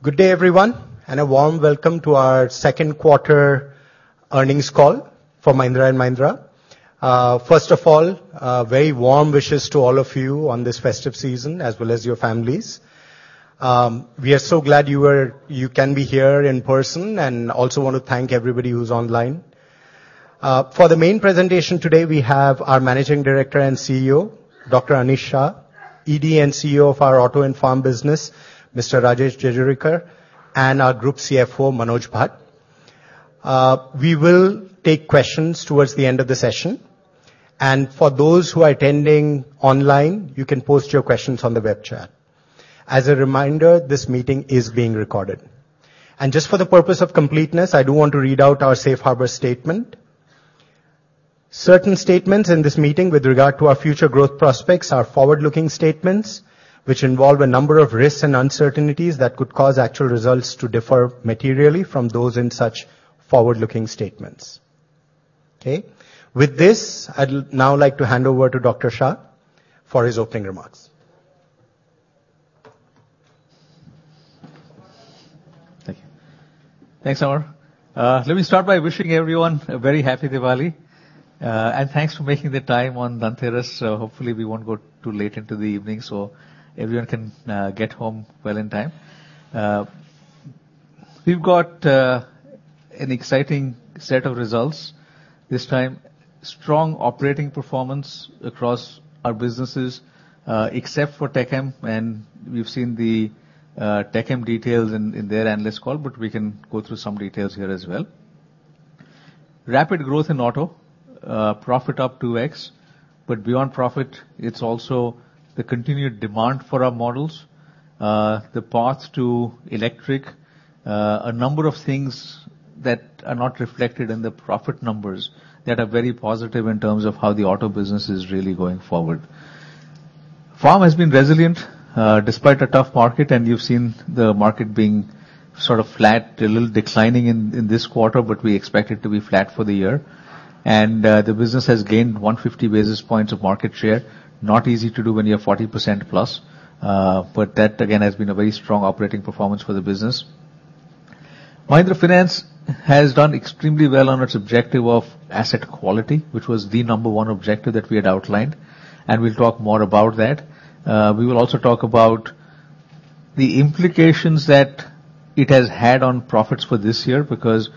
Good day, everyone, and a warm welcome to our second quarter earnings call for Mahindra & Mahindra. First of all, very warm wishes to all of you on this festive season, as well as your families. We are so glad you can be here in person, and also want to thank everybody who's online. For the main presentation today, we have our Managing Director and CEO, Dr. Anish Shah, ED and CEO of our Auto and Farm business, Mr. Rajesh Jejurikar, and our Group CFO, Manoj Bhat. We will take questions towards the end of the session, and for those who are attending online, you can post your questions on the web chat. As a reminder, this meeting is being recorded. Just for the purpose of completeness, I do want to read out our safe harbor statement. Certain statements in this meeting with regard to our future growth prospects are forward-looking statements, which involve a number of risks and uncertainties that could cause actual results to differ materially from those in such forward-looking statements. Okay. With this, I'd now like to hand over to Dr. Shah for his opening remarks. Thank you. Thanks, Amar. Let me start by wishing everyone a very happy Diwali, and thanks for making the time on Dhanteras. So hopefully we won't go too late into the evening, so everyone can get home well in time. We've got an exciting set of results. This time, strong operating performance across our businesses, except for TechM, and we've seen the TechM details in their analyst call, but we can go through some details here as well. Rapid growth in auto, profit up 2x, but beyond profit, it's also the continued demand for our models, the path to electric, a number of things that are not reflected in the profit numbers, that are very positive in terms of how the auto business is really going forward. Farm has been resilient despite a tough market, and you've seen the market being sort of flat, a little declining in this quarter, but we expect it to be flat for the year. And the business has gained 150 basis points of market share. Not easy to do when you are 40% plus, but that, again, has been a very strong operating performance for the business. Mahindra Finance has done extremely well on its objective of asset quality, which was the number one objective that we had outlined, and we'll talk more about that. We will also talk about the implications that it has had on profits for this year, because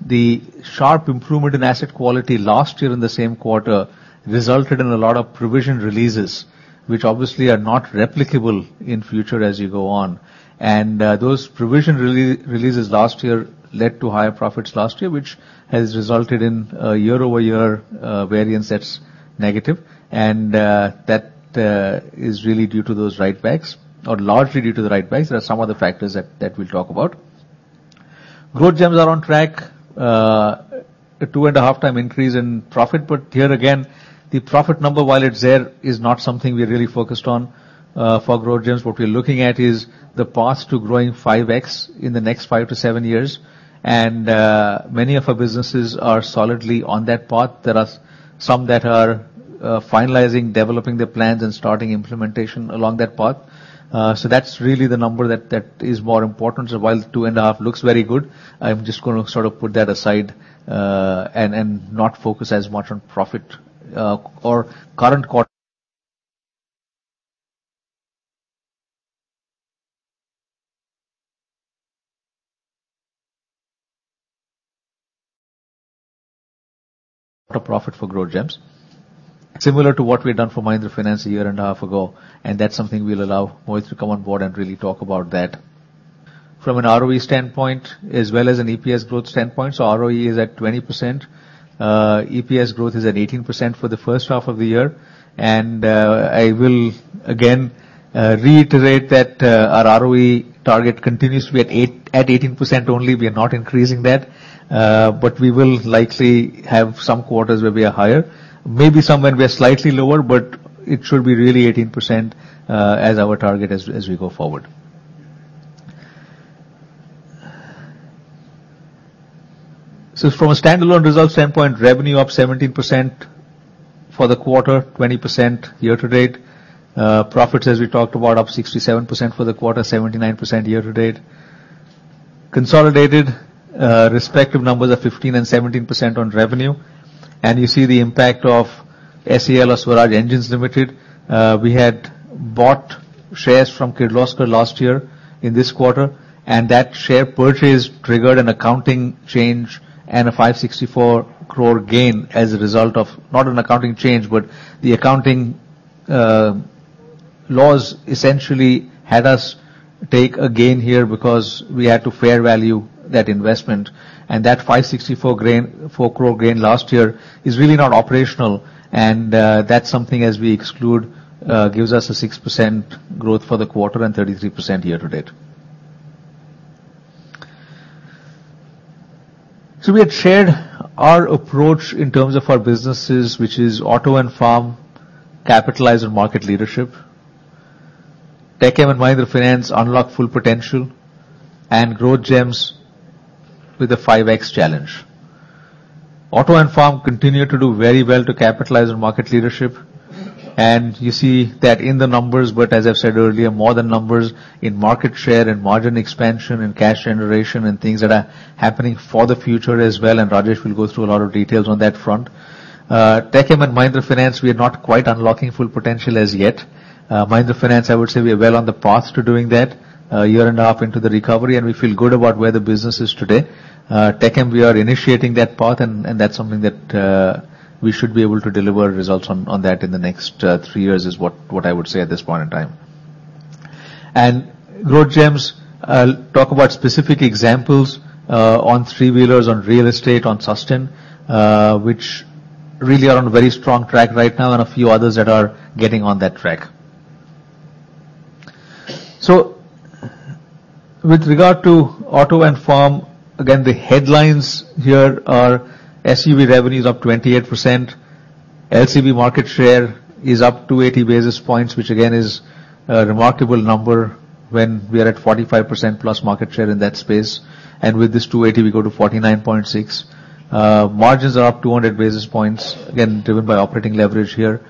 the sharp improvement in asset quality last year in the same quarter resulted in a lot of provision releases, which obviously are not replicable in future as you go on. Those provision releases last year led to higher profits last year, which has resulted in a year-over-year variance that's negative. That is really due to those write backs, or largely due to the write backs. There are some other factors that we'll talk about. Growth gems are on track. A 2.5-time increase in profit, but here again, the profit number, while it's there, is not something we're really focused on for growth gems. What we are looking at is the path to growing 5X in the next 5-7 years, and many of our businesses are solidly on that path. There are some that are finalizing, developing their plans and starting implementation along that path. So that's really the number that is more important. So while 2.5 looks very good, I'm just gonna sort of put that aside, and, and not focus as much on profit, or current quarter profit for growth gems. Similar to what we've done for Mahindra Finance a year and a half ago, and that's something we'll allow Mohit to come on board and really talk about that. From an ROE standpoint as well as an EPS growth standpoint, so ROE is at 20%, EPS growth is at 18% for the first half of the year. And, I will again, reiterate that, our ROE target continues to be at eight- at 18% only. We are not increasing that, but we will likely have some quarters where we are higher. Maybe somewhere we are slightly lower, but it should be really 18%, as our target as we go forward. So from a standalone result standpoint, revenue up 17% for the quarter, 20% year to date. Profits, as we talked about, up 67% for the quarter, 79% year to date. Consolidated, respective numbers are 15% and 17% on revenue, and you see the impact of SEL or Swaraj Engines Limited. We had bought shares from Kirloskar last year in this quarter, and that share purchase triggered an accounting change and a 564 crore gain as a result of... Not an accounting change, but the accounting laws essentially had us take a gain here because we had to fair value that investment. And that 564 gain, 4 crore gain last year is really not operational, and, that's something as we exclude, gives us a 6% growth for the quarter and 33% year to date. So we had shared our approach in terms of our businesses, which is auto and farm, capitalize on market leadership. TechM and Mahindra Finance unlock full potential and growth gems with a 5x challenge. Auto and Farm continue to do very well to capitalize on market leadership, and you see that in the numbers. But as I've said earlier, more than numbers in market share and margin expansion and cash generation and things that are happening for the future as well, and Rajesh will go through a lot of details on that front. TechM and Mahindra Finance, we are not quite unlocking full potential as yet. Mahindra Finance, I would say we are well on the path to doing that, a year and a half into the recovery, and we feel good about where the business is today. Tech M, we are initiating that path, and that's something that we should be able to deliver results on, on that in the next 3 years, is what I would say at this point in time. And growth gems, I'll talk about specific examples, on three-wheelers, on real estate, on Susten, which really are on a very strong track right now, and a few others that are getting on that track. So with regard to Auto and Farm, again, the headlines here are SUV revenues up 28%. LCV market share is up 280 basis points, which again, is a remarkable number when we are at 45%+ market share in that space, and with this 280, we go to 49.6. Margins are up 200 basis points, again, driven by operating leverage here.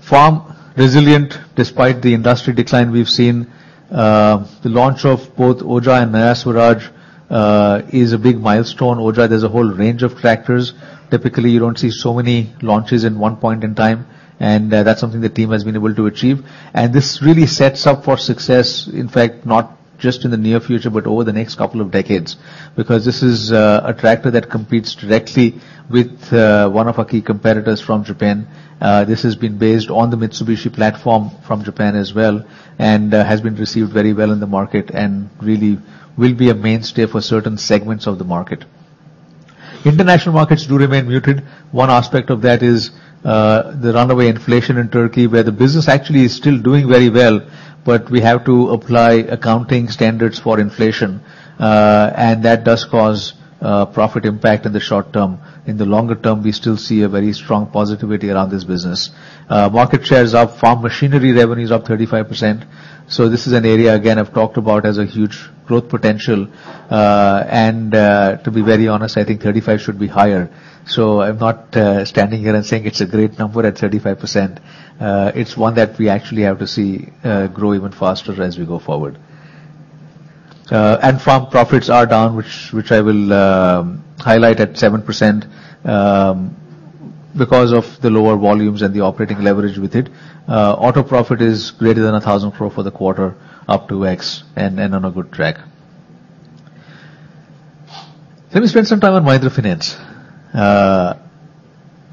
Farm, resilient despite the industry decline we've seen. The launch of both Oja and Naya Swaraj is a big milestone. Oja, there's a whole range of tractors. Typically, you don't see so many launches at one point in time, and, that's something the team has been able to achieve. And this really sets up for success, in fact, not just in the near future, but over the next couple of decades, because this is, a tractor that competes directly with, one of our key competitors from Japan. This has been based on the Mitsubishi platform from Japan as well, and has been received very well in the market, and really will be a mainstay for certain segments of the market. International markets do remain muted. One aspect of that is the runaway inflation in Turkey, where the business actually is still doing very well, but we have to apply accounting standards for inflation, and that does cause profit impact in the short term. In the longer term, we still see a very strong positivity around this business. Market share is up. Farm machinery revenue is up 35%, so this is an area, again, I've talked about as a huge growth potential, and to be very honest, I think 35 should be higher. So I'm not standing here and saying it's a great number at 35%. It's one that we actually have to see grow even faster as we go forward. Farm profits are down, which I will highlight at 7%, because of the lower volumes and the operating leverage with it. Auto profit is greater than 1,000 crore for the quarter, up 2x, and on a good track. Let me spend some time on Mahindra Finance.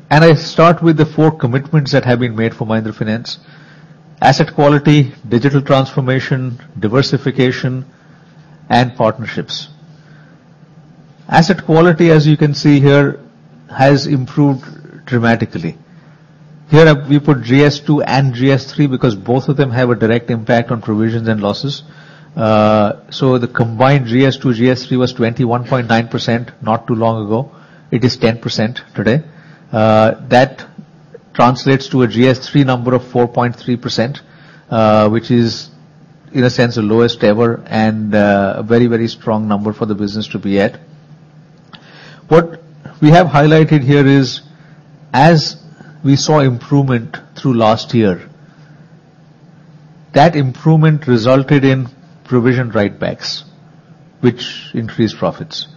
I start with the 4 commitments that have been made for Mahindra Finance: asset quality, digital transformation, diversification, and partnerships. Asset quality, as you can see here, has improved dramatically. Here, we put GS 2 and GS 3, because both of them have a direct impact on provisions and losses. So the combined GS 2/GS 3 was 21.9% not too long ago. It is 10% today. That translates to a GS3 number of 4.3%, which is, in a sense, the lowest ever, and a very, very strong number for the business to be at. What we have highlighted here is, as we saw improvement through last year, that improvement resulted in provision write backs, which increased profits.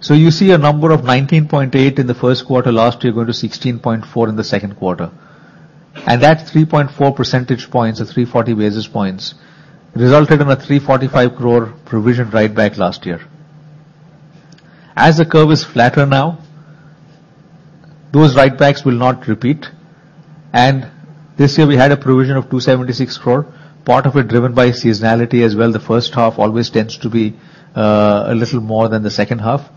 So you see a number of 19.8 in the first quarter last year, going to 16.4 in the second quarter. And that 3.4 percentage points, or 340 basis points, resulted in a 345 crore provision write back last year. As the curve is flatter now, those write backs will not repeat, and this year we had a provision of 276 crore, part of it driven by seasonality as well. The first half always tends to be a little more than the second half.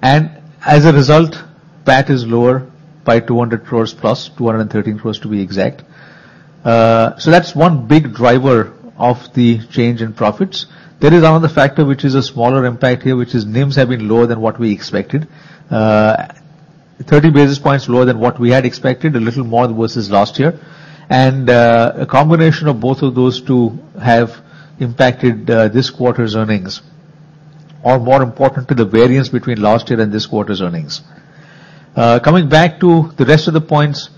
As a result, PAT is lower by 200 crore plus, 213 crore to be exact. So that's one big driver of the change in profits. There is another factor, which is a smaller impact here, which is NIMS have been lower than what we expected. 30 basis points lower than what we had expected, a little more versus last year. A combination of both of those two have impacted this quarter's earnings, or more important to the variance between last year and this quarter's earnings. Coming back to the rest of the points,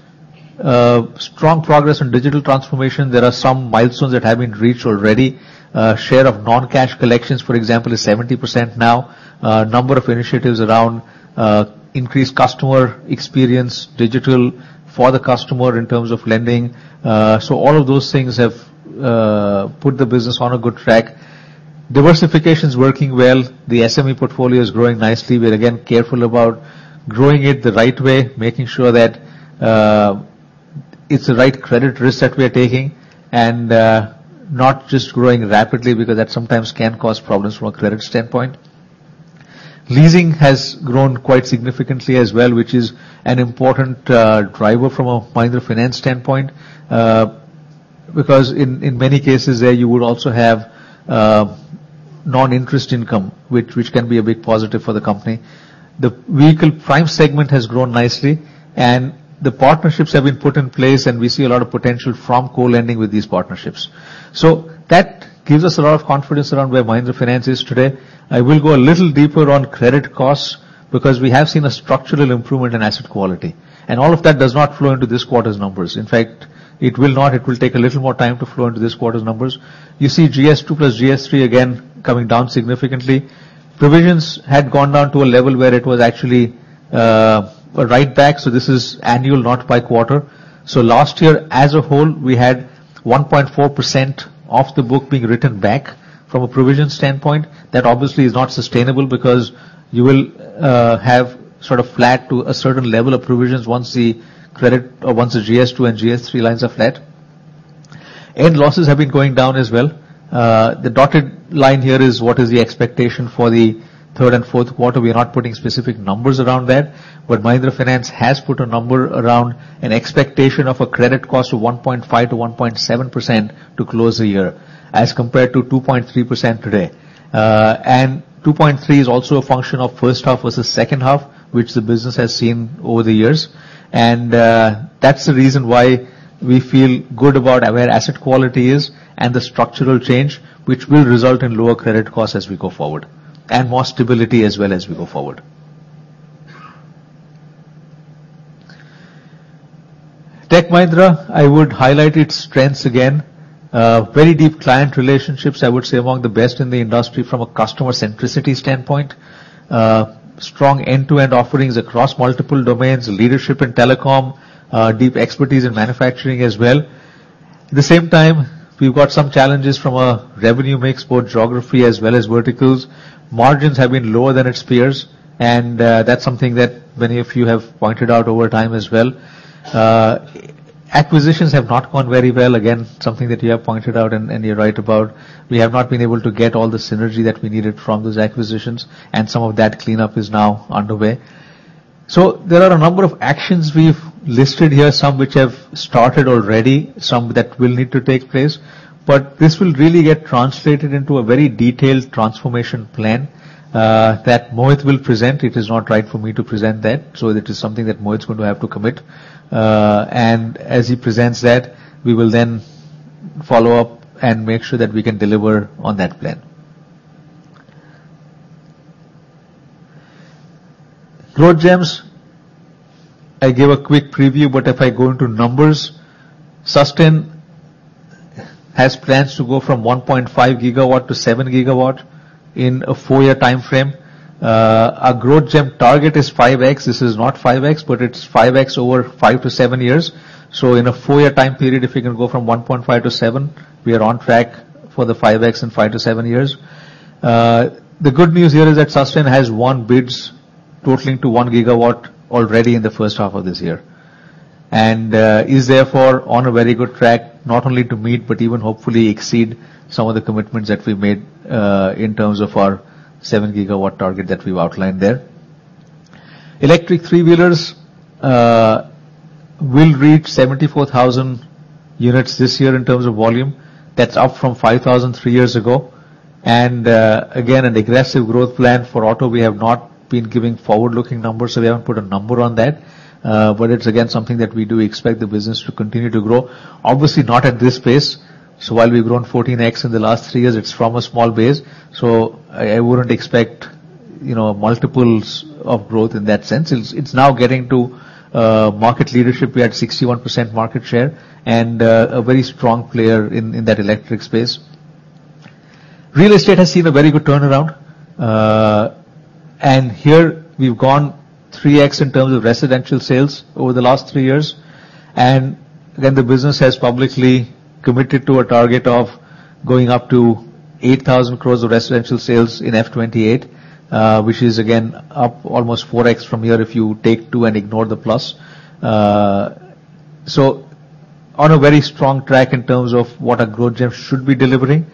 strong progress on digital transformation. There are some milestones that have been reached already. Share of non-cash collections, for example, is 70% now. Number of initiatives around increased customer experience, digital for the customer in terms of lending. So all of those things have put the business on a good track. Diversification is working well. The SME portfolio is growing nicely. We're again careful about growing it the right way, making sure that it's the right credit risk that we are taking, and not just growing rapidly, because that sometimes can cause problems from a credit standpoint. Leasing has grown quite significantly as well, which is an important driver from a Mahindra Finance standpoint. Because in many cases there, you would also have non-interest income, which can be a big positive for the company. The vehicle prime segment has grown nicely, and the partnerships have been put in place, and we see a lot of potential from co-lending with these partnerships. So that gives us a lot of confidence around where Mahindra Finance is today. I will go a little deeper on credit costs, because we have seen a structural improvement in asset quality, and all of that does not flow into this quarter's numbers. In fact, it will not. It will take a little more time to flow into this quarter's numbers. You see GS2 plus GS3 again coming down significantly. Provisions had gone down to a level where it was actually, a write back, so this is annual, not by quarter. So last year, as a whole, we had 1.4% of the book being written back from a provision standpoint. That obviously is not sustainable, because you will, have sort of flat to a certain level of provisions once the credit or once the GS2 and GS3 lines are flat. Losses have been going down as well. The dotted line here is what is the expectation for the third and fourth quarter. We are not putting specific numbers around that, but Mahindra Finance has put a number around an expectation of a credit cost of 1.5%-1.7% to close the year, as compared to 2.3% today. And 2.3 is also a function of first half versus second half, which the business has seen over the years. And, that's the reason why we feel good about where asset quality is and the structural change, which will result in lower credit costs as we go forward, and more stability as well as we go forward. Tech Mahindra, I would highlight its strengths again. Very deep client relationships, I would say among the best in the industry from a customer centricity standpoint. Strong end-to-end offerings across multiple domains, leadership in telecom, deep expertise in manufacturing as well. At the same time, we've got some challenges from a revenue mix, poor geography, as well as verticals. Margins have been lower than its peers, and that's something that many of you have pointed out over time as well. Acquisitions have not gone very well. Again, something that you have pointed out, and you're right about. We have not been able to get all the synergy that we needed from those acquisitions, and some of that cleanup is now underway. So there are a number of actions we've listed here, some which have started already, some that will need to take place. But this will really get translated into a very detailed transformation plan, that Mohit will present. It is not right for me to present that, so it is something that Mohit's going to have to commit. And as he presents that, we will then follow up and make sure that we can deliver on that plan. Growth gems. I gave a quick preview, but if I go into numbers, Susten has plans to go from 1.5 GW to 7 GW in a 4-year timeframe. Our growth gem target is 5x. This is not 5x, but it's 5x over 5-7 years. So in a 4-year time period, if we can go from 1.5 to 7, we are on track for the 5x in 5-7 years. The good news here is that Susten has won bids totaling to 1 gigawatt already in the first half of this year, and is therefore on a very good track, not only to meet, but even hopefully exceed some of the commitments that we made in terms of our 7 gigawatt target that we've outlined there. Electric three-wheelers will reach 74,000 units this year in terms of volume. That's up from 5,000 three years ago. And again, an aggressive growth plan for auto. We have not been giving forward-looking numbers, so we haven't put a number on that, but it's again, something that we do expect the business to continue to grow. Obviously, not at this pace. So while we've grown 14x in the last three years, it's from a small base, so I wouldn't expect multiples of growth in that sense. It's now getting to market leadership. We're at 61% market share and a very strong player in that electric space. Real estate has seen a very good turnaround, and here we've gone 3x in terms of residential sales over the last three years. And then the business has publicly committed to a target of going up to 8,000 crore of residential sales in FY 2028, which is again up almost 4x from here, if you take two and ignore the plus. So on a very strong track in terms of what our growth gems should be delivering.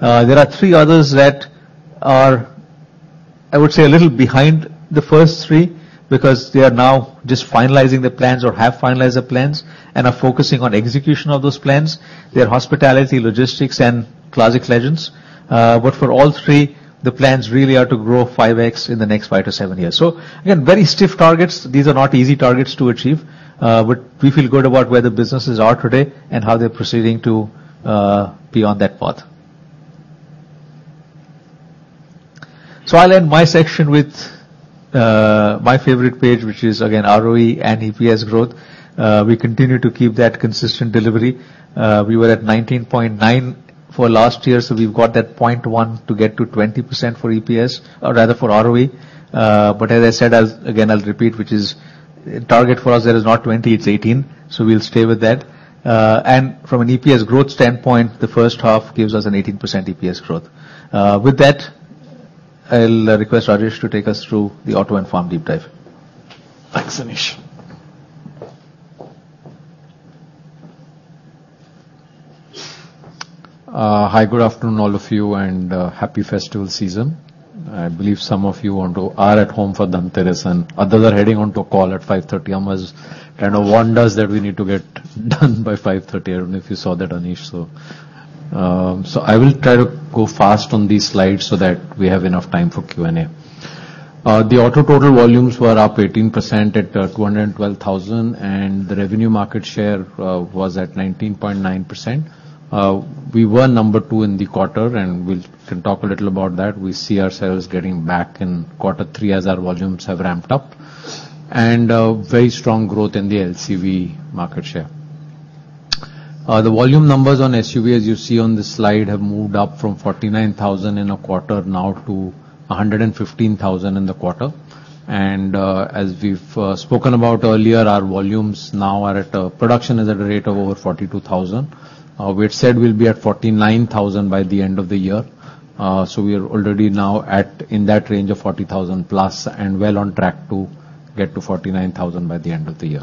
There are three others that are, I would say, a little behind the first three, because they are now just finalizing the plans or have finalized the plans and are focusing on execution of those plans. They're hospitality, logistics, and Classic Legends. But for all three, the plans really are to grow 5x in the next 5-7 years. So again, very stiff targets. These are not easy targets to achieve, but we feel good about where the businesses are today and how they're proceeding to be on that path. So I'll end my section with my favorite page, which is again, ROE and EPS growth. We continue to keep that consistent delivery. We were at 19.9 for last year, so we've got that 0.1 to get to 20% for EPS or rather for ROE. But as I said, again, I'll repeat, which is target for us there is not 20, it's 18, so we'll stay with that. From an EPS growth standpoint, the first half gives us an 18% EPS growth. With that, I'll request Rajesh to take us through the auto and farm deep dive. Thanks, Anish. Hi, good afternoon, all of you, and happy festival season. I believe some of you are at home for Dhanteras, and others are heading on to a call at 5:30 P.M. Amar's kind of wonders that we need to get done by 5:30 P.M., I don't know if you saw that, Anish, so. So I will try to go fast on these slides so that we have enough time for Q&A. The auto total volumes were up 18% at 212,000, and the revenue market share was at 19.9%. We were number two in the quarter, and we'll can talk a little about that. We see ourselves getting back in quarter three as our volumes have ramped up. Very strong growth in the LCV market share. The volume numbers on SUV, as you see on this slide, have moved up from 49,000 in a quarter now to 115,000 in the quarter. And, as we've spoken about earlier, our volumes now are at, production is at a rate of over 42,000. We've said we'll be at 49,000 by the end of the year, so we are already now at, in that range of 40,000 plus and well on track to get to 49,000 by the end of the year.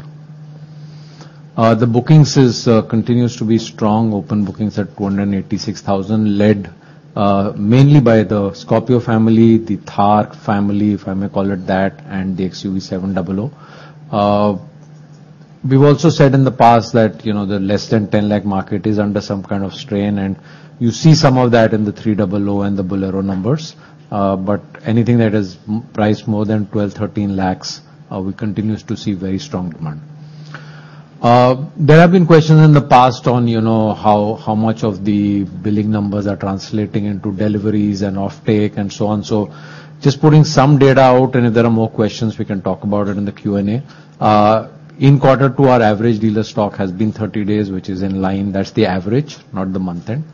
The bookings is continues to be strong. Open bookings at 286,000, led mainly by the Scorpio family, the Thar family, if I may call it that, and theXUV700. We've also said in the past that, you know, the less than 10 lakh market is under some kind of strain, and you see some of that in the 30O and the Bolero numbers. But anything that is priced more than twelve, thirteen lakhs, we continue to see very strong demand. There have been questions in the past on, you know, how, how much of the billing numbers are translating into deliveries and offtake, and so on. So just putting some data out, and if there are more questions, we can talk about it in the Q&A. In quarter two, our average dealer stock has been 30 days, which is in line. That's the average, not the month-end,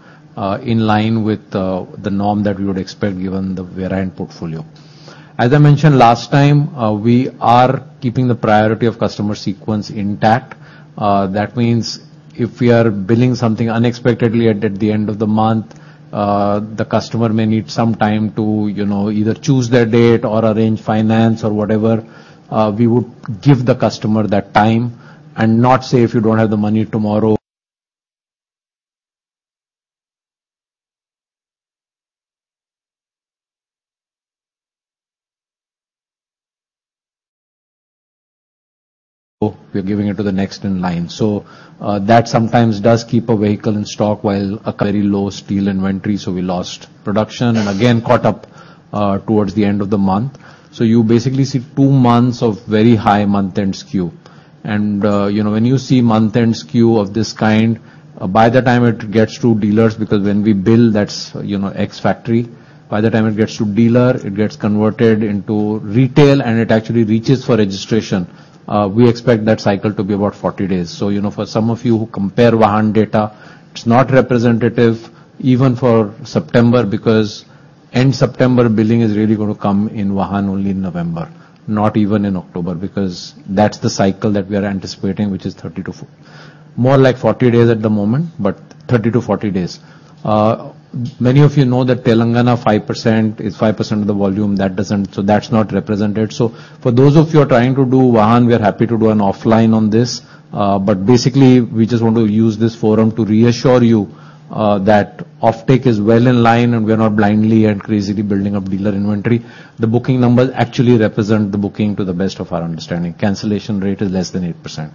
in line with the norm that we would expect given the variant portfolio. As I mentioned last time, we are keeping the priority of customer sequence intact. That means if we are billing something unexpectedly at the end of the month, the customer may need some time to, you know, either choose their date or arrange finance or whatever. We would give the customer that time and not say, "If you don't have the money tomorrow, we are giving it to the next in line." So, that sometimes does keep a vehicle in stock while a very low steel inventory, so we lost production, and again, caught up towards the end of the month. So you basically see two months of very high month-end SKU. And, you know, when you see month-end SKU of this kind, by the time it gets to dealers, because when we bill, that's, you know, ex factory. By the time it gets to dealer, it gets converted into retail, and it actually reaches for registration. We expect that cycle to be about 40 days. So, you know, for some of you who compare Vahan data, it's not representative even for September, because end September, billing is really going to come in Vahan only in November, not even in October, because that's the cycle that we are anticipating, which is 30 to more like 40 days at the moment, but 30 to 40 days. Many of you know that Telangana 5% is 5% of the volume, that doesn't... So that's not represented. So for those of you who are trying to do Vahan, we are happy to do an offline on this, but basically, we just want to use this forum to reassure you that offtake is well in line, and we are not blindly and crazily building up dealer inventory. The booking numbers actually represent the booking to the best of our understanding. Cancellation rate is less than 8%.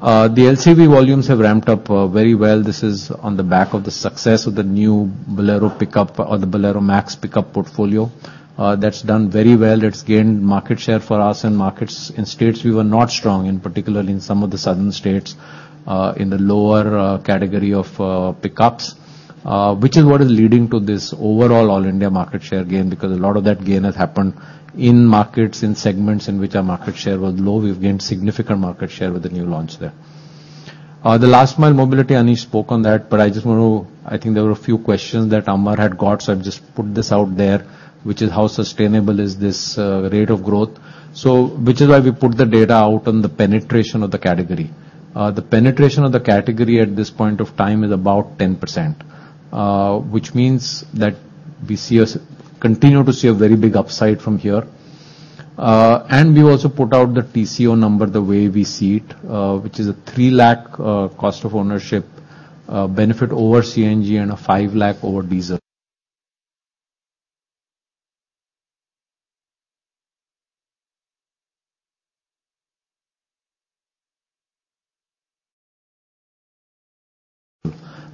The LCV volumes have ramped up very well. This is on the back of the success of the new Bolero pickup, or the Bolero Max pickup portfolio. That's done very well. It's gained market share for us in markets, in states we were not strong in, particularly in some of the southern states, in the lower category of pickups, which is what is leading to this overall all India market share gain, because a lot of that gain has happened in markets, in segments in which our market share was low. We've gained significant market share with the new launch there. The Last Mile Mobility, Anish spoke on that, but I just want to... I think there were a few questions that Amar had got, so I'll just put this out there, which is how sustainable is this rate of growth? So which is why we put the data out on the penetration of the category. The penetration of the category at this point of time is about 10%, which means that we continue to see a very big upside from here. We've also put out the TCO number the way we see it, which is a 3 lakh cost of ownership benefit over CNG and a 5 lakh over diesel.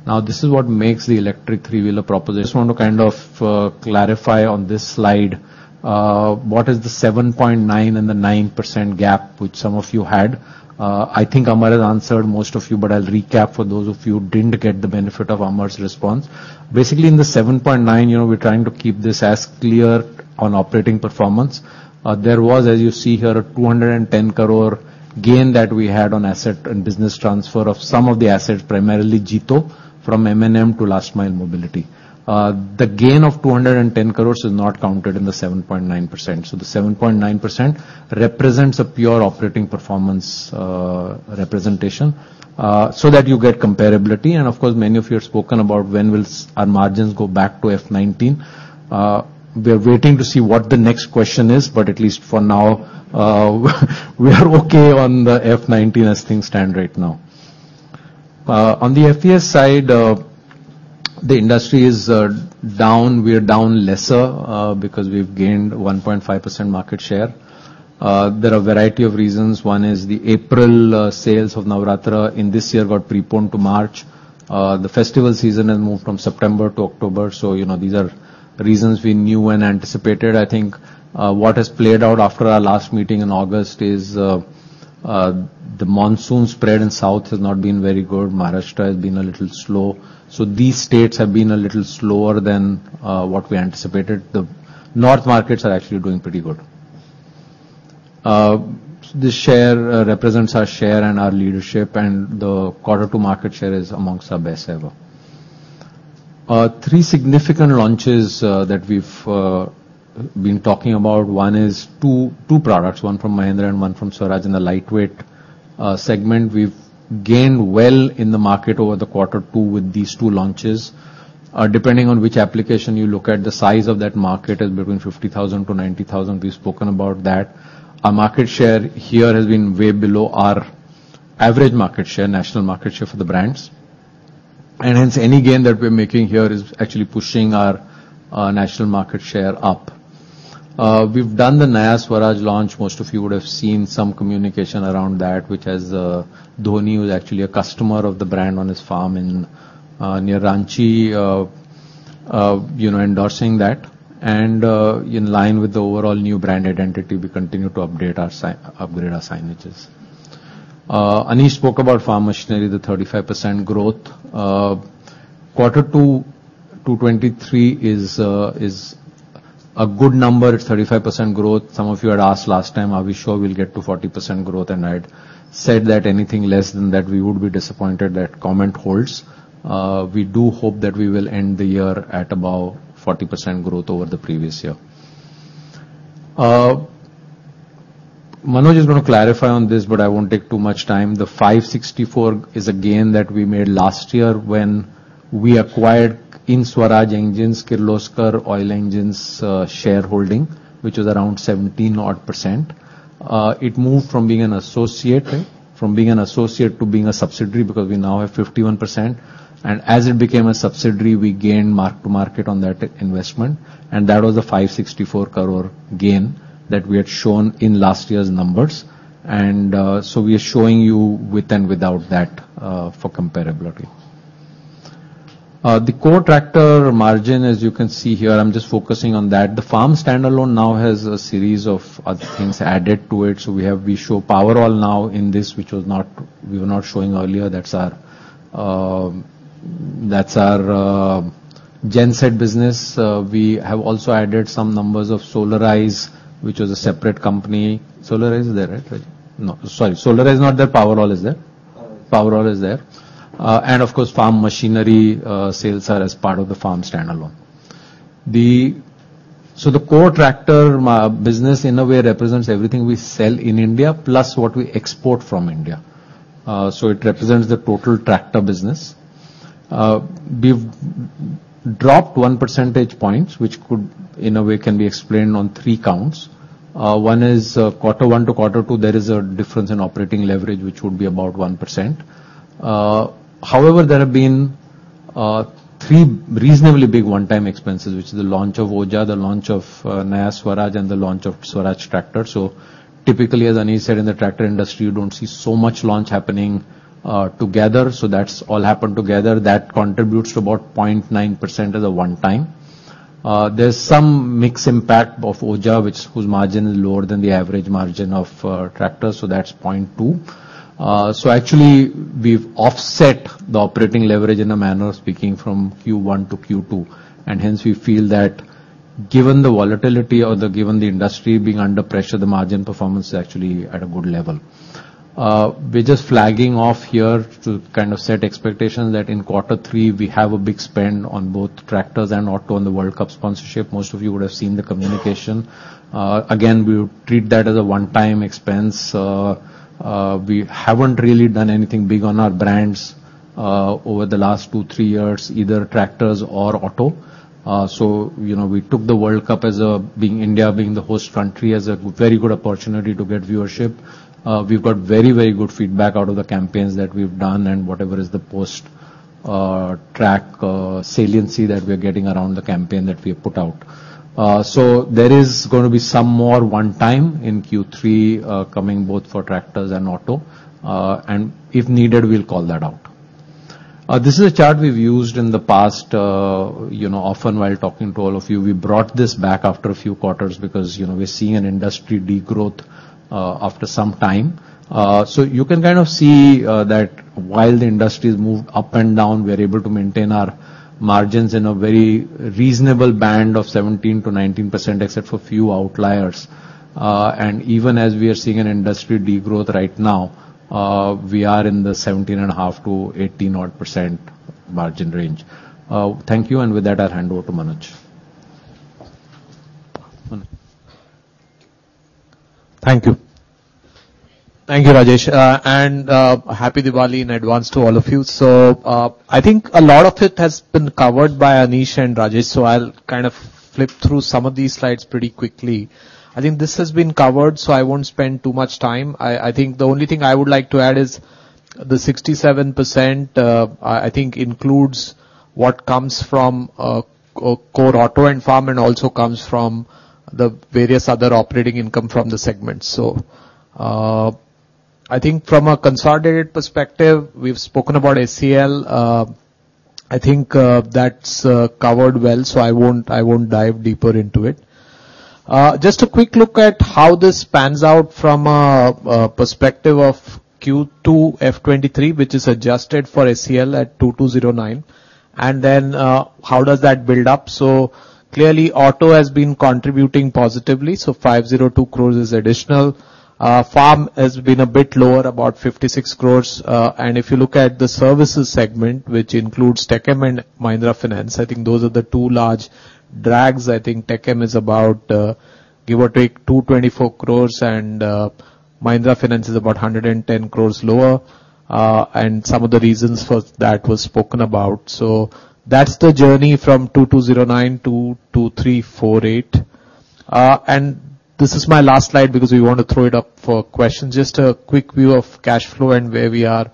Now, this is what makes the electric three-wheeler proposition. I just want to kind of clarify on this slide what is the 7.9 and the 9% gap, which some of you had? I think Amar has answered most of you, but I'll recap for those of you who didn't get the benefit of Amar's response. Basically, in the 7.9, you know, we're trying to keep this as clear on operating performance. There was, as you see here, an 210 crore gain that we had on asset and business transfer of some of the assets, primarily GITO, from M&M to Last Mile Mobility. The gain of 210 crore is not counted in the 7.9%. So the 7.9% represents a pure operating performance representation, so that you get comparability. And of course, many of you have spoken about when will our margins go back to FY19. We are waiting to see what the next question is, but at least for now, we are okay on the FY19 as things stand right now. On the FES side, the industry is down. We are down lesser, because we've gained 1.5% market share. There are a variety of reasons. One is the April sales of Navratri in this year got preponed to March. The festival season has moved from September to October. So, you know, these are reasons we knew and anticipated. I think what has played out after our last meeting in August is the monsoon spread in South has not been very good. Maharashtra has been a little slow. So these states have been a little slower than what we anticipated. The north markets are actually doing pretty good. This share represents our share and our leadership, and the quarter two market share is among our best ever. Three significant launches that we've been talking about, one is two, two products, one from Mahindra and one from Swaraj in the lightweight segment. We've gained well in the market over the quarter two with these two launches. Depending on which application you look at, the size of that market is between 50,000-90,000. We've spoken about that. Our market share here has been way below our average market share, national market share for the brands. And hence, any gain that we're making here is actually pushing our national market share up. We've done the Naya Swaraj launch. Most of you would have seen some communication around that, which has Dhoni, who's actually a customer of the brand, on his farm in near Ranchi, you know, endorsing that. And in line with the overall new brand identity, we continue to upgrade our signages. Anish spoke about farm machinery, the 35% growth. Quarter two, 2023 is a good number. It's 35% growth. Some of you had asked last time, are we sure we'll get to 40% growth? And I'd said that anything less than that, we would be disappointed. That comment holds. We do hope that we will end the year at about 40% growth over the previous year. Manoj is going to clarify on this, but I won't take too much time. The 564 is a gain that we made last year when we acquired in Swaraj Engines, Kirloskar Oil Engines shareholding, which was around 17 odd percent. It moved from being an associate, from being an associate to being a subsidiary, because we now have 51%. As it became a subsidiary, we gained mark to market on that investment, and that was a 564 crore gain that we had shown in last year's numbers. So we are showing you with and without that, for comparability. The core tractor margin, as you can see here, I'm just focusing on that. The farm standalone now has a series of other things added to it. So we show Powerol now in this, which we were not showing earlier. That's our, that's our, gen set business. We have also added some numbers of Solarize, which was a separate company. Solarize is there, right? No, sorry, Solarize is not there, Powerol is there. Powerol. Powerol is there. And of course, farm machinery sales are as part of the farm standalone. So the core tractor business, in a way, represents everything we sell in India, plus what we export from India. So it represents the total tractor business. We've dropped one percentage point, which could, in a way, can be explained on three counts. One is, quarter one to quarter two, there is a difference in operating leverage, which would be about 1%. However, there have been three reasonably big one-time expenses, which is the launch of Oja, the launch of Naya Swaraj, and the launch of Swaraj Tractor. So typically, as Anish said, in the tractor industry, you don't see so much launch happening together. So that's all happened together. That contributes about 0.9% of the one time. There's some mixed impact of Oja, which, whose margin is lower than the average margin of tractors, so that's point 2. So actually, we've offset the operating leverage in a manner, speaking from Q1 to Q2, and hence we feel that given the volatility given the industry being under pressure, the margin performance is actually at a good level. We're just flagging off here to kind of set expectations that in quarter three, we have a big spend on both tractors and auto on the World Cup sponsorship. Most of you would have seen the communication. Again, we would treat that as a one-time expense. We haven't really done anything big on our brands over the last 2-3 years, either tractors or auto. So, you know, we took the World Cup as a, being India, being the host country, as a very good opportunity to get viewership. We've got very, very good feedback out of the campaigns that we've done and whatever is the post-track saliency that we are getting around the campaign that we have put out. So there is going to be some more one-time in Q3 coming both for tractors and auto. And if needed, we'll call that out. This is a chart we've used in the past, you know, often while talking to all of you. We brought this back after a few quarters because, you know, we're seeing an industry degrowth after some time. So you can kind of see that while the industry has moved up and down, we are able to maintain our margins in a very reasonable band of 17%-19%, except for a few outliers. Even as we are seeing an industry degrowth right now, we are in the 17.5%-18% margin range. Thank you, and with that, I'll hand over to Manoj. Manoj? Thank you. Thank you, Rajesh, and happy Diwali in advance to all of you. So, I think a lot of it has been covered by Anish and Rajesh, so I'll kind of flip through some of these slides pretty quickly. I think this has been covered, so I won't spend too much time. I think the only thing I would like to add is- The 67%, I think includes what comes from core auto and farm, and also comes from the various other operating income from the segments. So, I think from a consolidated perspective, we've spoken about HCL. I think that's covered well, so I won't dive deeper into it. Just a quick look at how this pans out from a perspective of Q2 FY 2023, which is adjusted for HCL at 2,209 crore, and then how does that build up? So clearly, auto has been contributing positively, so 502 crore is additional. Farm has been a bit lower, about 56 crore. And if you look at the services segment, which includes TechM and Mahindra Finance, I think those are the two large drags. I think TechM is about, give or take, 224 crore, and Mahindra Finance is about 110 crore lower, and some of the reasons for that was spoken about. So that's the journey from 2209 to 2348. And this is my last slide because we want to throw it up for questions. Just a quick view of cash flow and where we are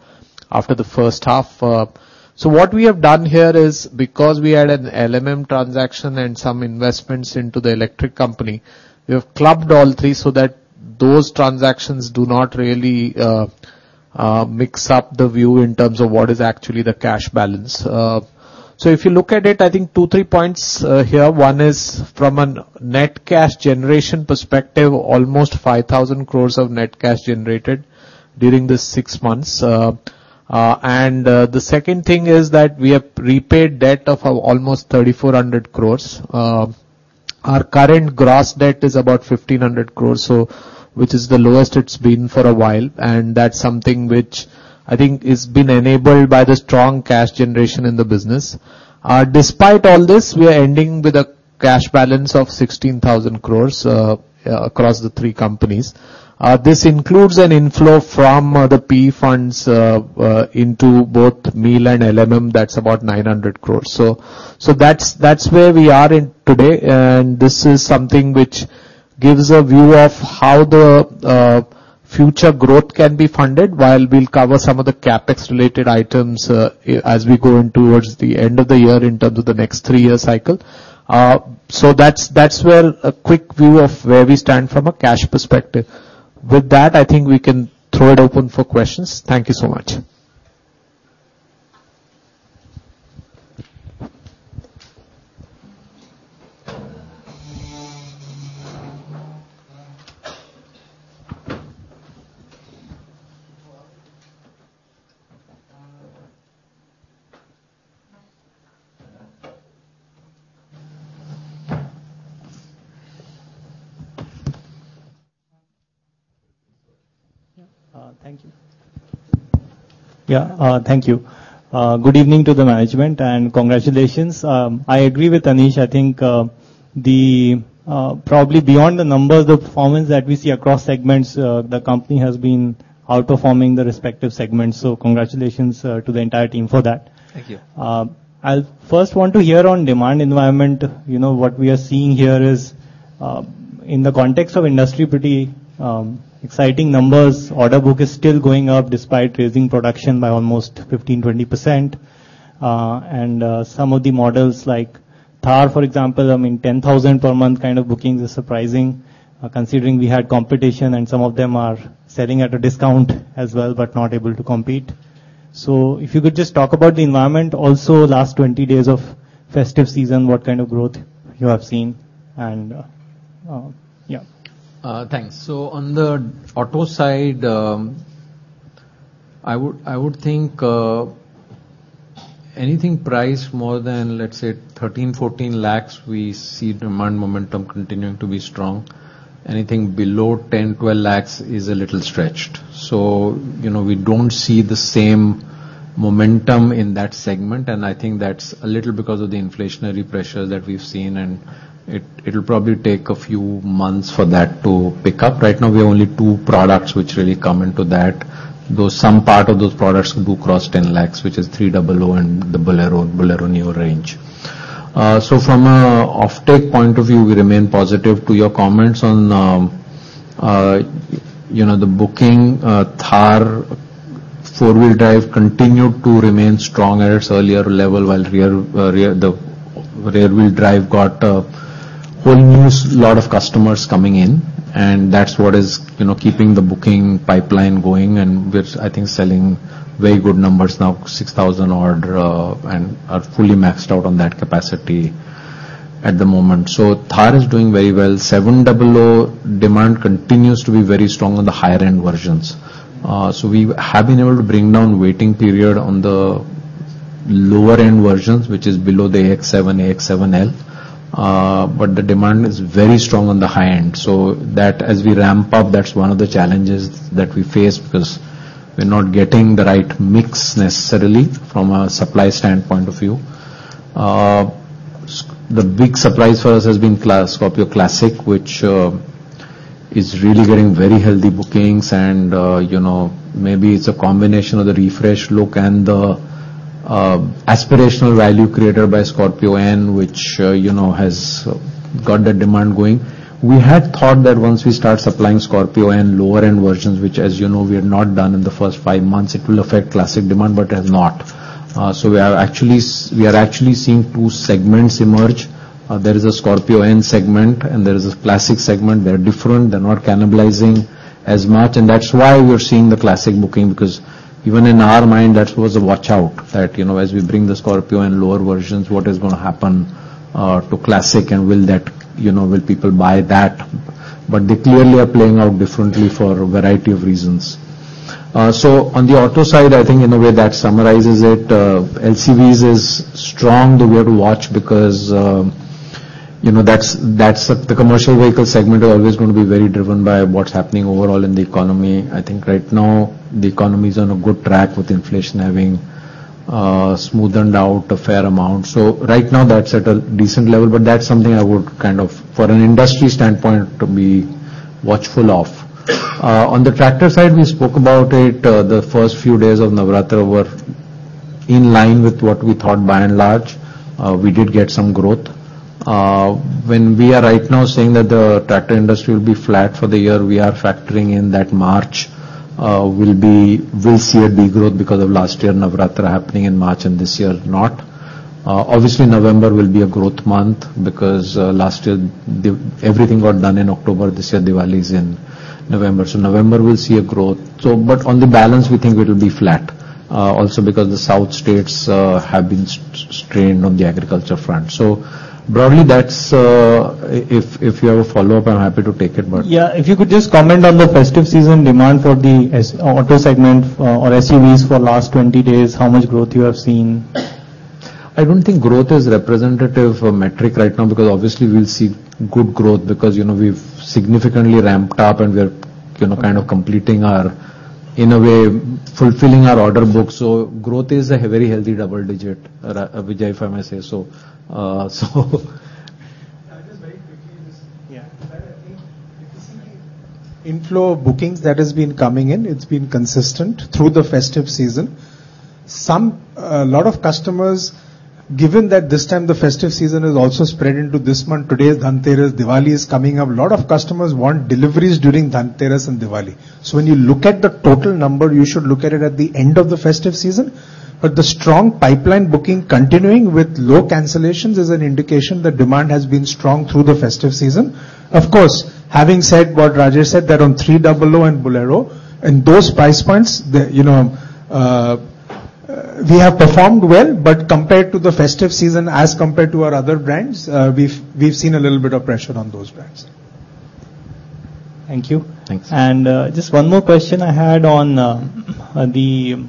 after the first half. So what we have done here is, because we had an LMM transaction and some investments into the electric company, we have clubbed all three so that those transactions do not really mix up the view in terms of what is actually the cash balance. So if you look at it, I think 2, 3 points here. One is, from a net cash generation perspective, almost 5,000 crore of net cash generated during this six months. The second thing is that we have repaid debt of almost 3,400 crore. Our current gross debt is about 1,500 crore, so which is the lowest it's been for a while, and that's something which I think has been enabled by the strong cash generation in the business. Despite all this, we are ending with a cash balance of 16,000 crore, across the three companies. This includes an inflow from the P funds, into both Miel and LMM, that's about 900 crore. So, so that's, that's where we are in today, and this is something which gives a view of how the future growth can be funded, while we'll cover some of the CapEx related items, as we go in towards the end of the year in terms of the next three-year cycle. So that's, that's where a quick view of where we stand from a cash perspective. With that, I think we can throw it open for questions. Thank you so much. Thank you. Yeah, thank you. Good evening to the management, and congratulations. I agree with Anish. I think, probably beyond the numbers, the performance that we see across segments, the company has been outperforming the respective segments. So congratulations, to the entire team for that. Thank you. I'll first want to hear on demand environment. You know, what we are seeing here is, in the context of industry, pretty, exciting numbers. Order book is still going up despite raising production by almost 15%-20%. And, some of the models like Thar, for example, I mean, 10,000 per month kind of bookings is surprising, considering we had competition, and some of them are selling at a discount as well, but not able to compete. So if you could just talk about the environment, also, last 20 days of festive season, what kind of growth you have seen, and, yeah. Thanks. So on the auto side, I would think anything priced more than, let's say, 13-14 lakhs, we see demand momentum continuing to be strong. Anything below 10-12 lakhs is a little stretched, so, you know, we don't see the same momentum in that segment, and I think that's a little because of the inflationary pressure that we've seen, and it, it'll probably take a few months for that to pick up. Right now, we have only two products which really come into that, though some part of those products do cross 10 lakhs, which is XUV3XO and the Bolero, Bolero Neo range. So from an offtake point of view, we remain positive to your comments on, you know, the booking. Thar four-wheel drive continued to remain strong at its earlier level, while rear, rear, the rear-wheel drive got a whole new lot of customers coming in, and that's what is, you know, keeping the booking pipeline going, and we're, I think, selling very good numbers now, 6,000 order, and are fully maxed out on that capacity at the moment. So Thar is doing very well. Seven double O demand continues to be very strong on the higher-end versions. So we have been able to bring down waiting period on the lower-end versions, which is below the AX7, AX7L, but the demand is very strong on the high end. So that as we ramp up, that's one of the challenges that we face, because we're not getting the right mix necessarily from a supply standpoint of view. The big surprise for us has been Scorpio Classic, which is really getting very healthy bookings and, you know, maybe it's a combination of the refresh look and the- ... aspirational value created by Scorpio-N, which, you know, has got the demand going. We had thought that once we start supplying Scorpio and lower-end versions, which, as you know, we have not done in the first five months, it will affect Classic demand, but has not. So we are actually seeing two segments emerge. There is a Scorpio-N segment, and there is a Classic segment. They are different, they're not cannibalizing as much, and that's why we're seeing the Classic booking, because even in our mind, that was a watch-out, that, you know, as we bring the Scorpio and lower versions, what is gonna happen to Classic and will that-- you know, will people buy that? But they clearly are playing out differently for a variety of reasons. So on the auto side, I think in a way that summarizes it, LCVs is strong. The way to watch because, you know, that's, that's the commercial vehicle segment are always going to be very driven by what's happening overall in the economy. I think right now the economy is on a good track with inflation having smoothened out a fair amount. So right now that's at a decent level, but that's something I would kind of, for an industry standpoint, to be watchful of. On the tractor side, we spoke about it. The first few days of Navratri were in line with what we thought by and large. We did get some growth. When we are right now saying that the tractor industry will be flat for the year, we are factoring in that March, we'll see a degrowth because of last year, Navratri happening in March and this year not. Obviously, November will be a growth month because last year everything got done in October. This year, Diwali is in November, so November will see a growth. So, but on the balance, we think it will be flat, also because the south states have been strained on the agriculture front. So broadly, that's... If you have a follow-up, I'm happy to take it but- Yeah. If you could just comment on the festive season demand for the SUV auto segment or, or SUVs for last 20 days, how much growth you have seen? I don't think growth is a representative metric right now, because obviously we'll see good growth because, you know, we've significantly ramped up and we're, you know, kind of completing our... in a way, fulfilling our order book. So growth is a very healthy double digit, Vijay, if I may say so. So I think, basically, inflow of bookings that has been coming in, it's been consistent through the festive season. Some, a lot of customers, given that this time the festive season is also spread into this month, today, Dhanteras, Diwali is coming up. A lot of customers want deliveries during Dhanteras and Diwali. So when you look at the total number, you should look at it at the end of the festive season. But the strong pipeline booking, continuing with low cancellations, is an indication that demand has been strong through the festive season. Of course, having said what Rajesh said, that on three double O and Bolero, in those price points, the, you know, we have performed well. But compared to the festive season as compared to our other brands, we've, we've seen a little bit of pressure on those brands. Thank you. Thanks. Just one more question I had on the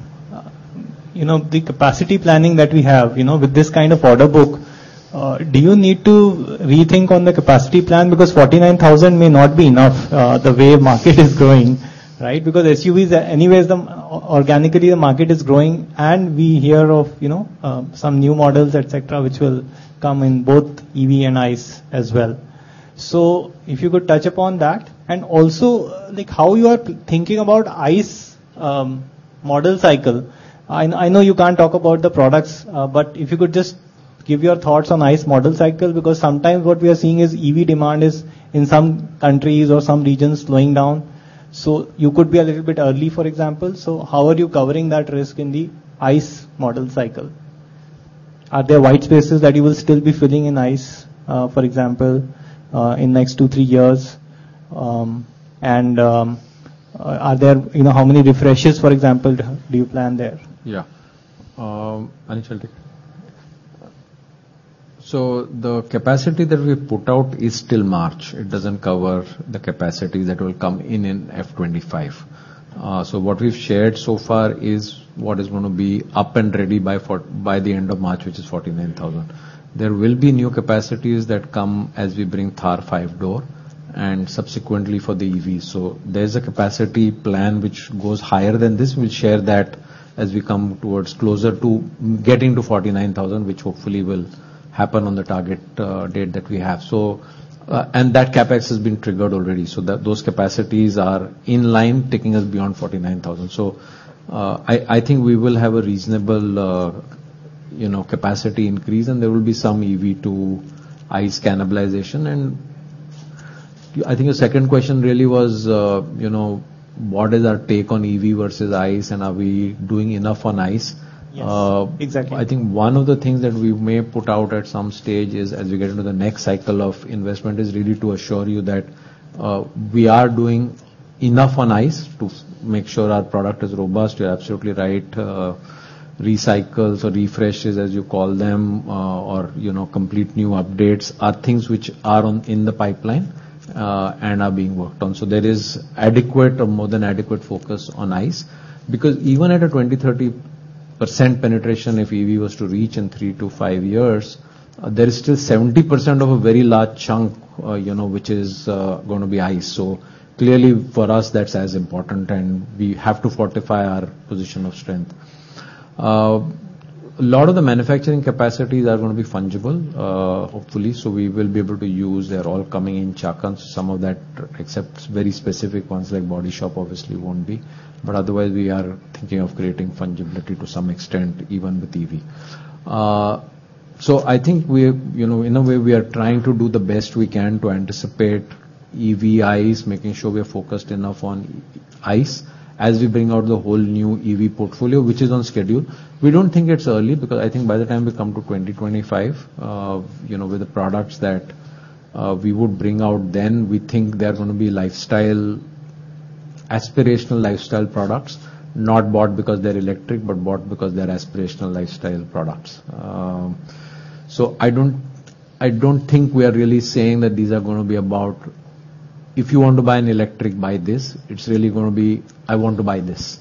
capacity planning that we have. You know, with this kind of order book, do you need to rethink on the capacity plan? Because 49,000 may not be enough, the way market is growing, right? Because SUVs, anyways, organically, the market is growing, and we hear of, you know, some new models, et cetera, which will come in both EV and ICE as well. So if you could touch upon that and also, like, how you are thinking about ICE model cycle. I know you can't talk about the products, but if you could just give your thoughts on ICE model cycle, because sometimes what we are seeing is EV demand is, in some countries or some regions, slowing down. So you could be a little bit early, for example. So how are you covering that risk in the ICE model cycle? Are there white spaces that you will still be filling in ICE, for example, in next 2, 3 years? And, you know, how many refreshes, for example, do you plan there? Yeah. Anish, I'll take. So the capacity that we put out is till March. It doesn't cover the capacity that will come in in FY 2025. So what we've shared so far is what is gonna be up and ready by the end of March, which is 49,000. There will be new capacities that come as we bring Thar 5-door and subsequently for the EV. So there's a capacity plan which goes higher than this. We'll share that as we come closer to getting to 49,000, which hopefully will happen on the target date that we have. So, and that CapEx has been triggered already, so those capacities are in line, taking us beyond 49,000. I think we will have a reasonable, you know, capacity increase, and there will be some EV to ICE cannibalization. I think the second question really was, you know, what is our take on EV versus ICE, and are we doing enough on ICE? Yes, exactly. I think one of the things that we may put out at some stage is, as we get into the next cycle of investment, is really to assure you that we are doing enough on ICE to make sure our product is robust. You're absolutely right, recycles or refreshes, as you call them, or, you know, complete new updates, are things which are on, in the pipeline, and are being worked on. So there is adequate or more than adequate focus on ICE, because even at a 20-30% penetration, if EV was to reach in 3-5 years, there is still 70% of a very large chunk, you know, which is going to be ICE. So clearly, for us, that's as important, and we have to fortify our position of strength. A lot of the manufacturing capacities are going to be fungible, hopefully, so we will be able to use. They're all coming in Chakan. Some of that, except very specific ones like body shop, obviously won't be. But otherwise, we are thinking of creating fungibility to some extent, even with EV. So I think we're, you know, in a way, we are trying to do the best we can to anticipate EV, ICE, making sure we are focused enough on ICE as we bring out the whole new EV portfolio, which is on schedule. We don't think it's early, because I think by the time we come to 2025, you know, with the products that we would bring out then, we think they're gonna be lifestyle-aspirational lifestyle products, not bought because they're electric, but bought because they're aspirational lifestyle products. So I don't think we are really saying that these are gonna be about, "If you want to buy an electric, buy this." It's really gonna be, "I want to buy this.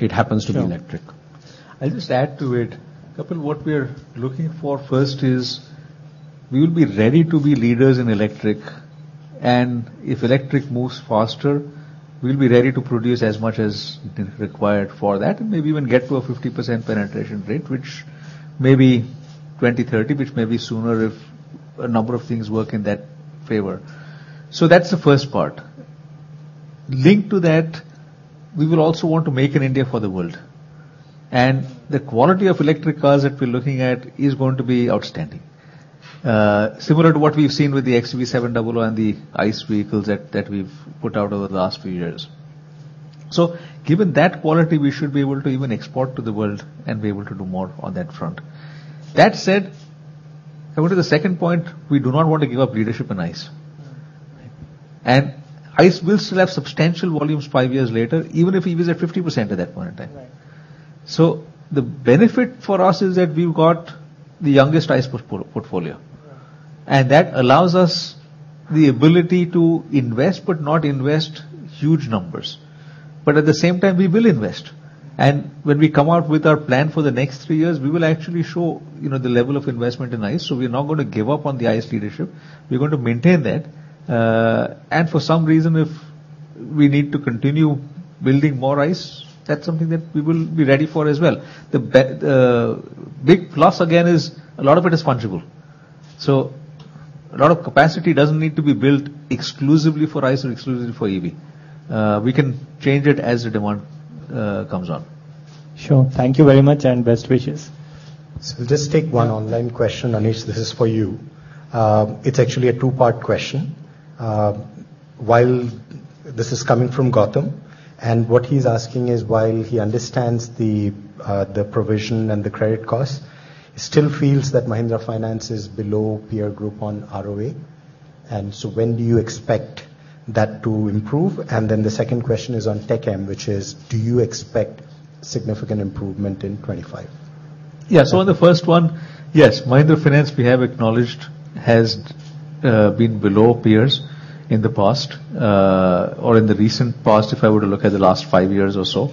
It happens to be electric. Sure. I'll just add to it. Couple, what we are looking for first is, we will be ready to be leaders in electric, and if electric moves faster, we'll be ready to produce as much as is required for that, and maybe even get to a 50% penetration rate, which may be 2030, which may be sooner if a number of things work in that favor. So that's the first part. Linked to that, we will also want to make in India for the world, and the quality of electric cars that we're looking at is going to be outstanding. Similar to what we've seen with the XUV700 and the ICE vehicles that we've put out over the last few years. So given that quality, we should be able to even export to the world and be able to do more on that front. That said, I go to the second point. We do not want to give up leadership in ICE. Mm, right. ICE will still have substantial volumes five years later, even if EV is at 50% at that point in time. Right. The benefit for us is that we've got the youngest ICE portfolio. Right. And that allows us the ability to invest, but not invest huge numbers. But at the same time, we will invest, and when we come out with our plan for the next three years, we will actually show, you know, the level of investment in ICE. So we are not going to give up on the ICE leadership. We're going to maintain that. And for some reason, if we need to continue building more ICE, that's something that we will be ready for as well. The big plus again, is a lot of it is fungible, so a lot of capacity doesn't need to be built exclusively for ICE or exclusively for EV. We can change it as the demand comes up. Sure. Thank you very much, and best wishes. Just take one online question. Anish, this is for you. It's actually a two-part question. While... This is coming from Gotham, and what he's asking is, while he understands the provision and the credit costs, he still feels that Mahindra Finance is below peer group on ROA, and so when do you expect that to improve? And then the second question is on Tech M, which is: Do you expect significant improvement in 25? Yeah. So on the first one, yes, Mahindra Finance, we have acknowledged, has, been below peers in the past, or in the recent past, if I were to look at the last 5 years or so.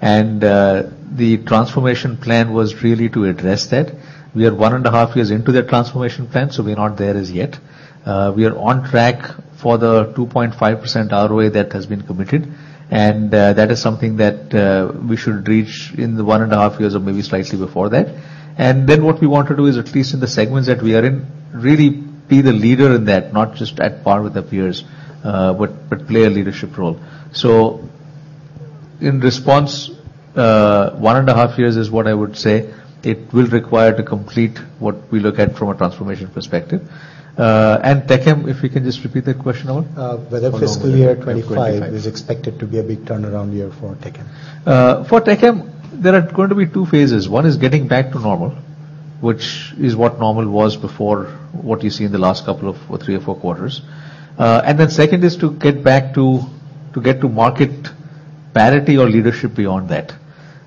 And, the transformation plan was really to address that. We are one and a half years into that transformation plan, so we're not there as yet. We are on track for the 2.5% ROA that has been committed, and, that is something that, we should reach in the one and a half years or maybe slightly before that. And then what we want to do is, at least in the segments that we are in, really be the leader in that, not just at par with our peers, but, but play a leadership role. So in response, one and a half years is what I would say. It will require to complete what we look at from a transformation perspective. And Tech M, if we can just repeat that question, Arun? Whether fiscal year 25 is expected to be a big turnaround year for Tech M? For Tech M, there are going to be two phases. One is getting back to normal, which is what normal was before, what you see in the last couple of three or four quarters. And then second is to get back to, to get to market parity or leadership beyond that.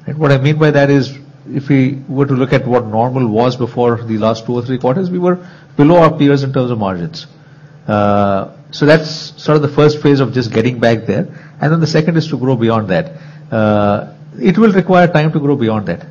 And what I mean by that is, if we were to look at what normal was before the last two or three quarters, we were below our peers in terms of margins. So that's sort of the first phase of just getting back there. And then the second is to grow beyond that. It will require time to grow beyond that.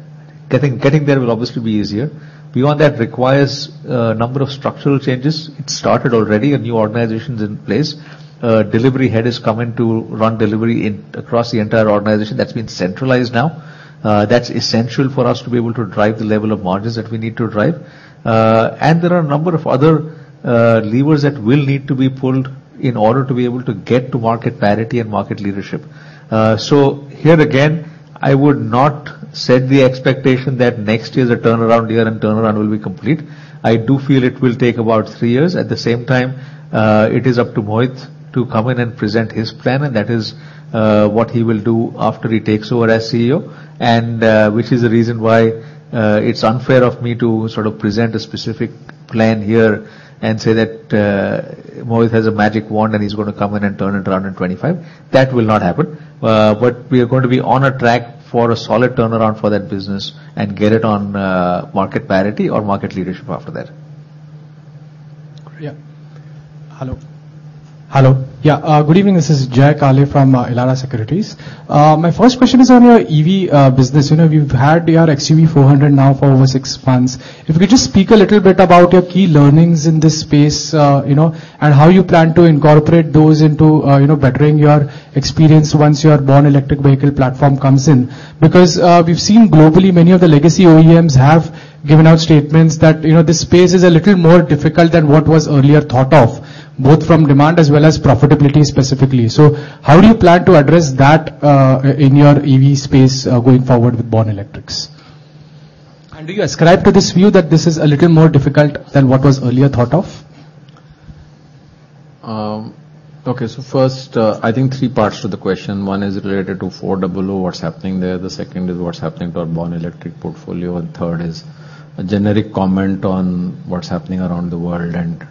Getting, getting there will obviously be easier. Beyond that requires a number of structural changes. It's started already, a new organization is in place. A delivery head is coming to run delivery across the entire organization. That's been centralized now. That's essential for us to be able to drive the level of margins that we need to drive. And there are a number of other levers that will need to be pulled in order to be able to get to market parity and market leadership. So here again, I would not set the expectation that next year's a turnaround year and turnaround will be complete. I do feel it will take about three years. At the same time, it is up to Mohit to come in and present his plan, and that is what he will do after he takes over as CEO, and which is the reason why it's unfair of me to sort of present a specific plan here and say that Mohit has a magic wand, and he's gonna come in and turn it around in 25. That will not happen. But we are going to be on a track for a solid turnaround for that business and get it on market parity or market leadership after that. Great. Hello. Hello. Yeah, good evening. This is Jay Kale from Elara Securities. My first question is on your EV business. You know, you've had your XUV400 now for over six months. If you could just speak a little bit about your key learnings in this space, you know, and how you plan to incorporate those into, you know, bettering your experience once your born-electric vehicle platform comes in. Because, we've seen globally, many of the legacy OEMs have given out statements that, you know, this space is a little more difficult than what was earlier thought of, both from demand as well as profitability specifically. So how do you plan to address that, in your EV space, going forward with born electrics? Do you ascribe to this view that this is a little more difficult than what was earlier thought of? Okay, so first, I think three parts to the question. One is related to four double O, what's happening there? The second is what's happening to our born electric portfolio, and third is a generic comment on what's happening around the world, and,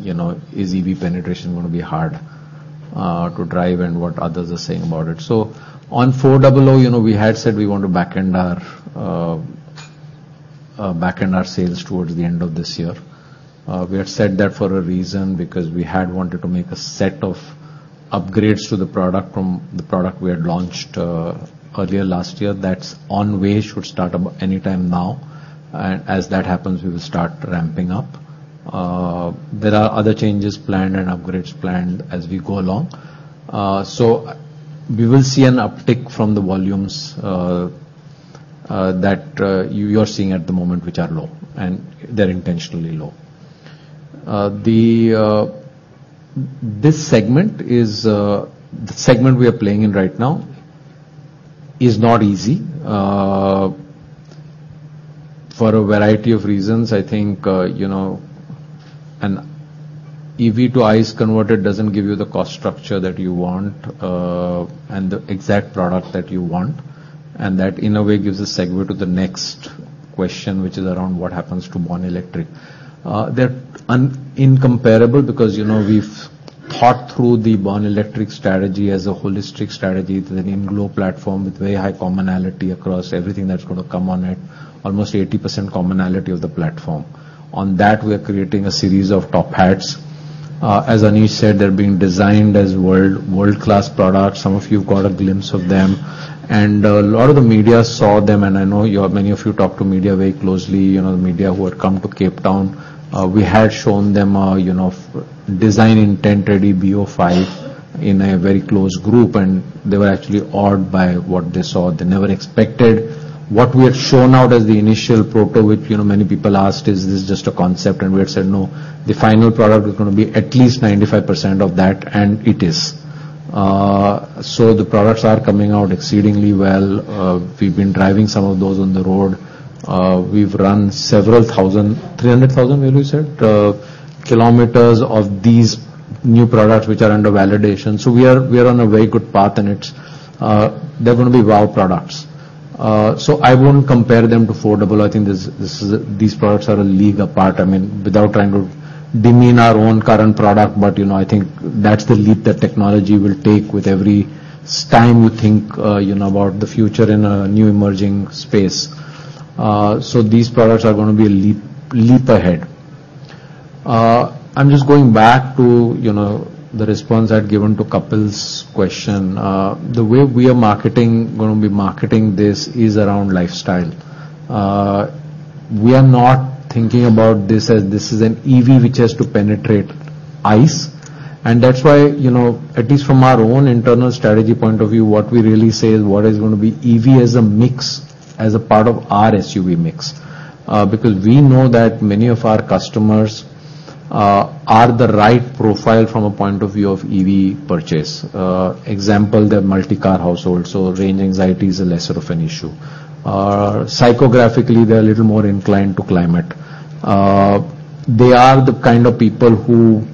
you know, is EV penetration gonna be hard to drive, and what others are saying about it. So on four double O, you know, we had said we want to back end our sales towards the end of this year. We have said that for a reason, because we had wanted to make a set of upgrades to the product from the product we had launched earlier last year. That's on the way, should start about any time now, and as that happens, we will start ramping up. There are other changes planned and upgrades planned as we go along. So we will see an uptick from the volumes that you are seeing at the moment, which are low, and they're intentionally low. This segment is the segment we are playing in right now is not easy. For a variety of reasons, I think, you know, an EV to ICE converter doesn't give you the cost structure that you want, and the exact product that you want. And that, in a way, gives a segue to the next question, which is around what happens to born-electric. They're incomparable because, you know, we've thought through the born-electric strategy as a holistic strategy with an INGLO platform, with very high commonality across everything that's gonna come on it, almost 80% commonality of the platform. On that, we are creating a series of top pads. As Anish said, they're being designed as world, world-class products. Some of you have got a glimpse of them. And a lot of the media saw them, and I know you all, many of you talk to media very closely, you know, the media who had come to Cape Town. We had shown them, you know, design intent, ready BO5, in a very close group, and they were actually awed by what they saw. They never expected. What we had shown out as the initial proto, which, you know, many people asked, "Is this just a concept?" And we had said, "No, the final product is gonna be at least 95% of that," and it is. So the products are coming out exceedingly well. We've been driving some of those on the road. We've run several thousand, 300,000, as you said, kilometers of these new products, which are under validation. So we are, we are on a very good path, and it's, they're gonna be wow products. So I won't compare them to four double O. I think this, this is a—these products are a league apart. I mean, without trying to demean our own current product, but, you know, I think that's the leap that technology will take with every time you think, you know, about the future in a new emerging space. So these products are gonna be a leap, leap ahead. I'm just going back to, you know, the response I'd given to Kapil's question. The way we are marketing, gonna be marketing this, is around lifestyle. We are not thinking about this as this is an EV which has to penetrate ICE. And that's why, you know, at least from our own internal strategy point of view, what we really say is what is gonna be EV as a mix, as a part of our SUV mix. Because we know that many of our customers are the right profile from a point of view of EV purchase. Example, they're multi-car households, so range anxiety is a lesser of an issue. Psychographically, they're a little more inclined to climate. They are the kind of people who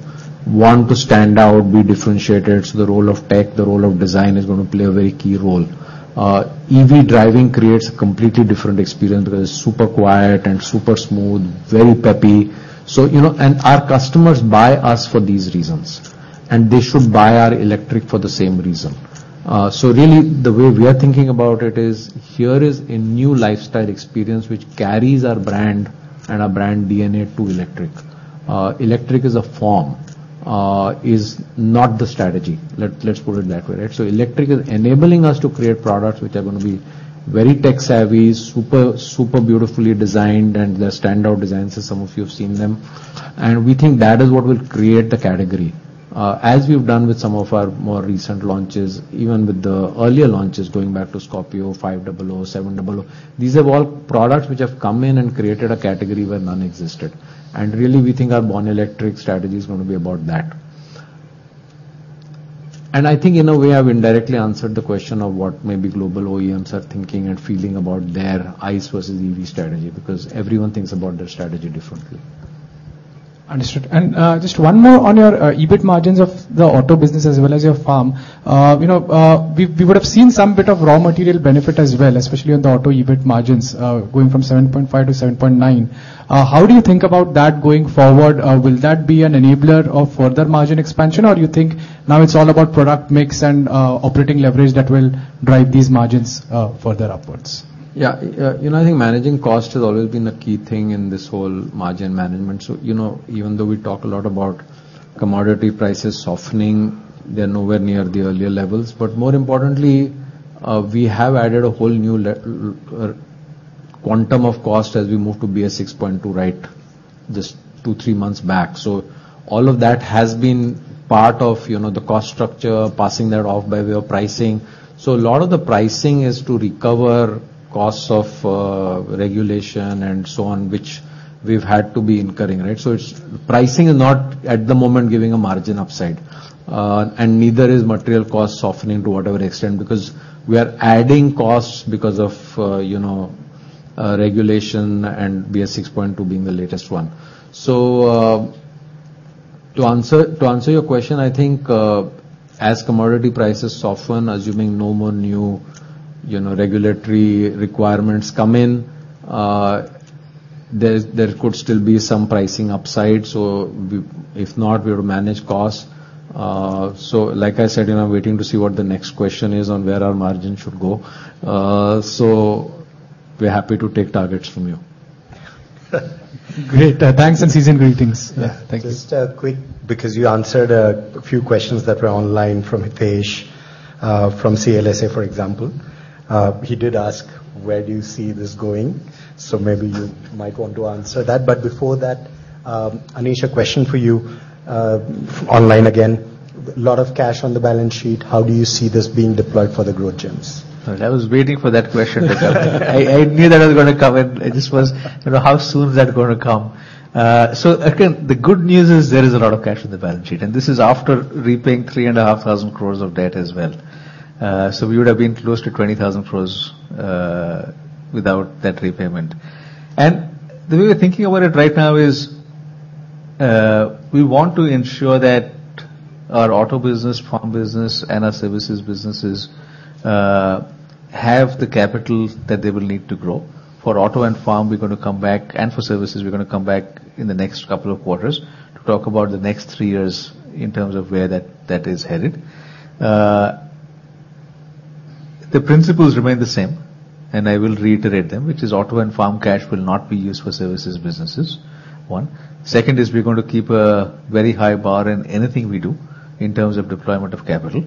want to stand out, be differentiated, so the role of tech, the role of design, is gonna play a very key role. EV driving creates a completely different experience that is super quiet and super smooth, very peppy. So, you know, and our customers buy us for these reasons, and they should buy our electric for the same reason. So really, the way we are thinking about it is, here is a new lifestyle experience which carries our brand and our brand DNA to electric. Electric is a form, is not the strategy. Let's put it that way, right? So electric is enabling us to create products which are gonna be very tech savvy, super, super beautifully designed, and they're standout designs, as some of you have seen them. And we think that is what will create the category, as we've done with some of our more recent launches, even with the earlier launches, going back to Scorpio, 5 double O, 7 double O. These are all products which have come in and created a category where none existed. And really, we think our born electric strategy is gonna be about that. And I think, in a way, I've indirectly answered the question of what maybe global OEMs are thinking and feeling about their ICE versus EV strategy, because everyone thinks about their strategy differently. Understood. And, just one more on your EBIT margins of the auto business as well as your farm. You know, we would have seen some bit of raw material benefit as well, especially on the auto EBIT margins, going from 7.5-7.9. How do you think about that going forward? Will that be an enabler of further margin expansion, or do you think now it's all about product mix and operating leverage that will drive these margins further upwards? Yeah, you know, I think managing cost has always been a key thing in this whole margin management. So, you know, even though we talk a lot about commodity prices softening, they're nowhere near the earlier levels. But more importantly, we have added a whole new quantum of cost as we move to BS VI.2, right? Just 2, 3 months back. So all of that has been part of, you know, the cost structure, passing that off by way of pricing. So a lot of the pricing is to recover costs of regulation and so on, which we've had to be incurring, right? So it's... Pricing is not, at the moment, giving a margin upside, and neither is material costs softening to whatever extent, because we are adding costs because of, you know-... Regulation and BS VI.2 being the latest one. So, to answer, to answer your question, I think, as commodity prices soften, assuming no more new, you know, regulatory requirements come in, there, there could still be some pricing upside. So we, if not, we will manage costs. So like I said, you know, waiting to see what the next question is on where our margin should go. So we're happy to take targets from you. Great! Thanks and season's greetings. Yeah. Thank you. Just a quick, because you answered a few questions that were online from Hitesh from CLSA, for example. He did ask, "Where do you see this going?" So maybe you might want to answer that. But before that, Anish, a question for you, online again. A lot of cash on the balance sheet, how do you see this being deployed for the growth gems? I was waiting for that question. I, I knew that was gonna come in, it just was, you know, how soon is that gonna come? So again, the good news is there is a lot of cash on the balance sheet, and this is after repaying 3,500 crore of debt as well. So we would have been close to 20,000 crore without that repayment. And the way we're thinking about it right now is, we want to ensure that our auto business, farm business, and our services businesses have the capital that they will need to grow. For auto and farm, we're gonna come back, and for services, we're gonna come back in the next couple of quarters to talk about the next three years in terms of where that, that is headed. The principles remain the same, and I will reiterate them, which is auto and farm cash will not be used for services businesses, one. Second is, we're going to keep a very high bar in anything we do in terms of deployment of capital.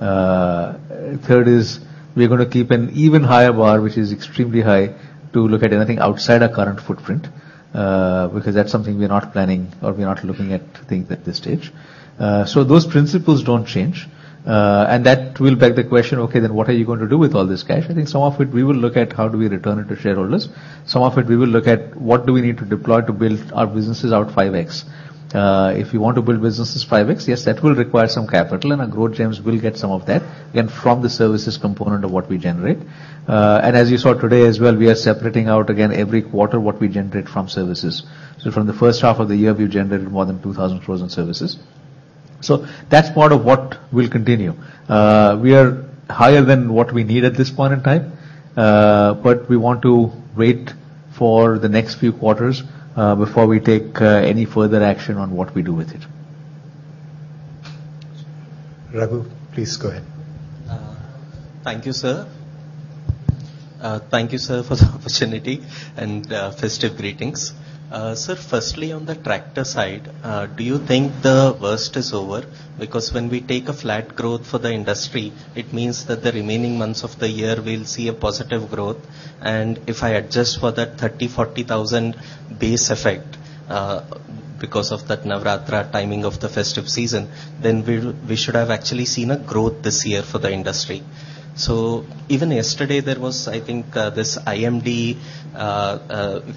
Third is, we're gonna keep an even higher bar, which is extremely high, to look at anything outside our current footprint, because that's something we are not planning or we are not looking at things at this stage. So those principles don't change, and that will beg the question: "Okay, then what are you going to do with all this cash?" I think some of it, we will look at how do we return it to shareholders. Some of it, we will look at what do we need to deploy to build our businesses out 5x. If you want to build businesses 5x, yes, that will require some capital, and our growth gems will get some of that, again, from the services component of what we generate. As you saw today as well, we are separating out again every quarter what we generate from services. So from the first half of the year, we've generated more than 2,000 crore in services. So that's part of what will continue. We are higher than what we need at this point in time, but we want to wait for the next few quarters before we take any further action on what we do with it. Raghu, please go ahead. Thank you, sir. Thank you, sir, for the opportunity and, festive greetings. Sir, firstly, on the tractor side, do you think the worst is over? Because when we take a flat growth for the industry, it means that the remaining months of the year we'll see a positive growth. And if I adjust for that 30-40 thousand base effect, because of that Navratri timing of the festive season, then we should have actually seen a growth this year for the industry. So even yesterday, there was, I think, this IMD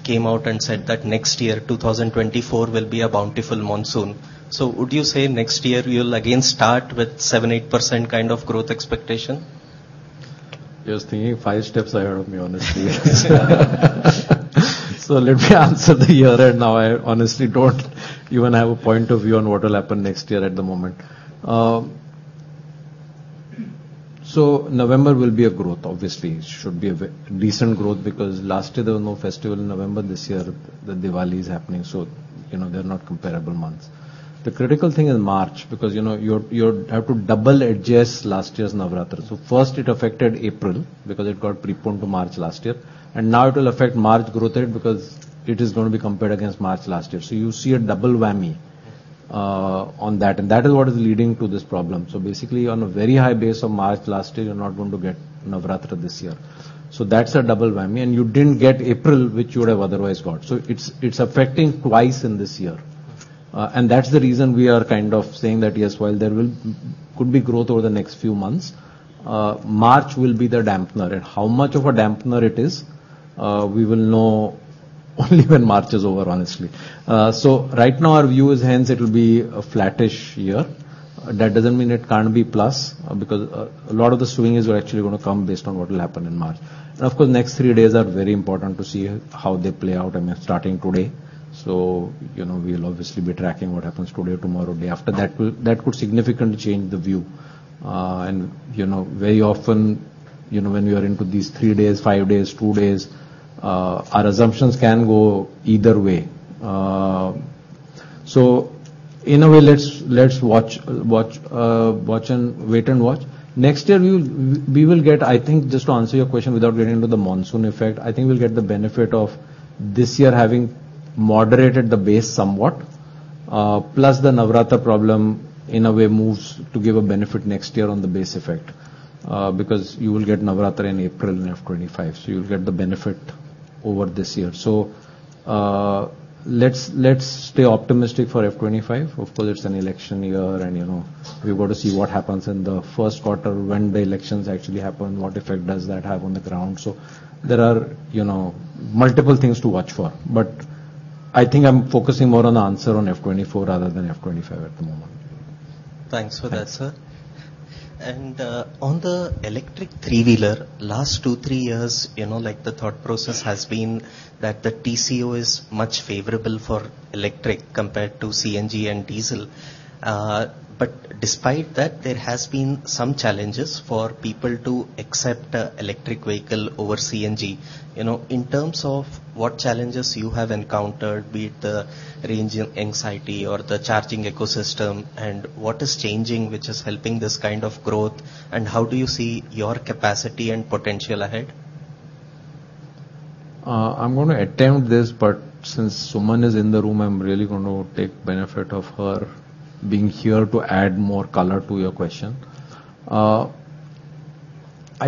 came out and said that next year, 2024, will be a bountiful monsoon. So would you say next year we will again start with 7%-8% kind of growth expectation? He was thinking five steps ahead of me, honestly. So let me answer the here and now. I honestly don't even have a point of view on what will happen next year at the moment. So November will be a growth. Obviously, it should be a very decent growth, because last year there was no festival in November. This year, the Diwali is happening, so you know, they're not comparable months. The critical thing is March, because, you know, you have to double adjust last year's Navratri. So first it affected April, because it got preponed to March last year, and now it will affect March growth rate, because it is gonna be compared against March last year. So you see a double whammy on that, and that is what is leading to this problem. So basically, on a very high base of March last year, you're not going to get Navratri this year. So that's a double whammy. And you didn't get April, which you would have otherwise got. So it's affecting twice in this year. And that's the reason we are kind of saying that, yes, while there will, could be growth over the next few months, March will be the dampener. And how much of a dampener it is, we will know only when March is over, honestly. So right now, our view is, hence, it will be a flattish year. That doesn't mean it can't be plus, because a lot of the swing is actually gonna come based on what will happen in March. And of course, next three days are very important to see how they play out, and they're starting today. So, you know, we'll obviously be tracking what happens today or tomorrow, day after. That will, that could significantly change the view. And you know, very often, you know, when we are into these three days, five days, two days, our assumptions can go either way. So in a way, let's, let's watch, watch, watch and wait and watch. Next year, we will, we will get. I think, just to answer your question, without getting into the monsoon effect, I think we'll get the benefit of this year having moderated the base somewhat, plus the Navratri problem, in a way, moves to give a benefit next year on the base effect, because you will get Navratri in April in FY 2025, so you'll get the benefit over this year. So, let's, let's stay optimistic for FY 2025. Of course, it's an election year, and, you know, we've got to see what happens in the first quarter when the elections actually happen, what effect does that have on the ground? So there are, you know, multiple things to watch for, but I think I'm focusing more on the answer on FY 2024 rather than FY 2025 at the moment.... Thanks for that, sir. And on the electric three-wheeler, last 2, 3 years, you know, like, the thought process has been that the TCO is much favorable for electric compared to CNG and diesel. But despite that, there has been some challenges for people to accept electric vehicle over CNG. You know, in terms of what challenges you have encountered, be it the range anxiety or the charging ecosystem, and what is changing, which is helping this kind of growth, and how do you see your capacity and potential ahead? I'm gonna attempt this, but since Suman is in the room, I'm really going to take benefit of her being here to add more color to your question. I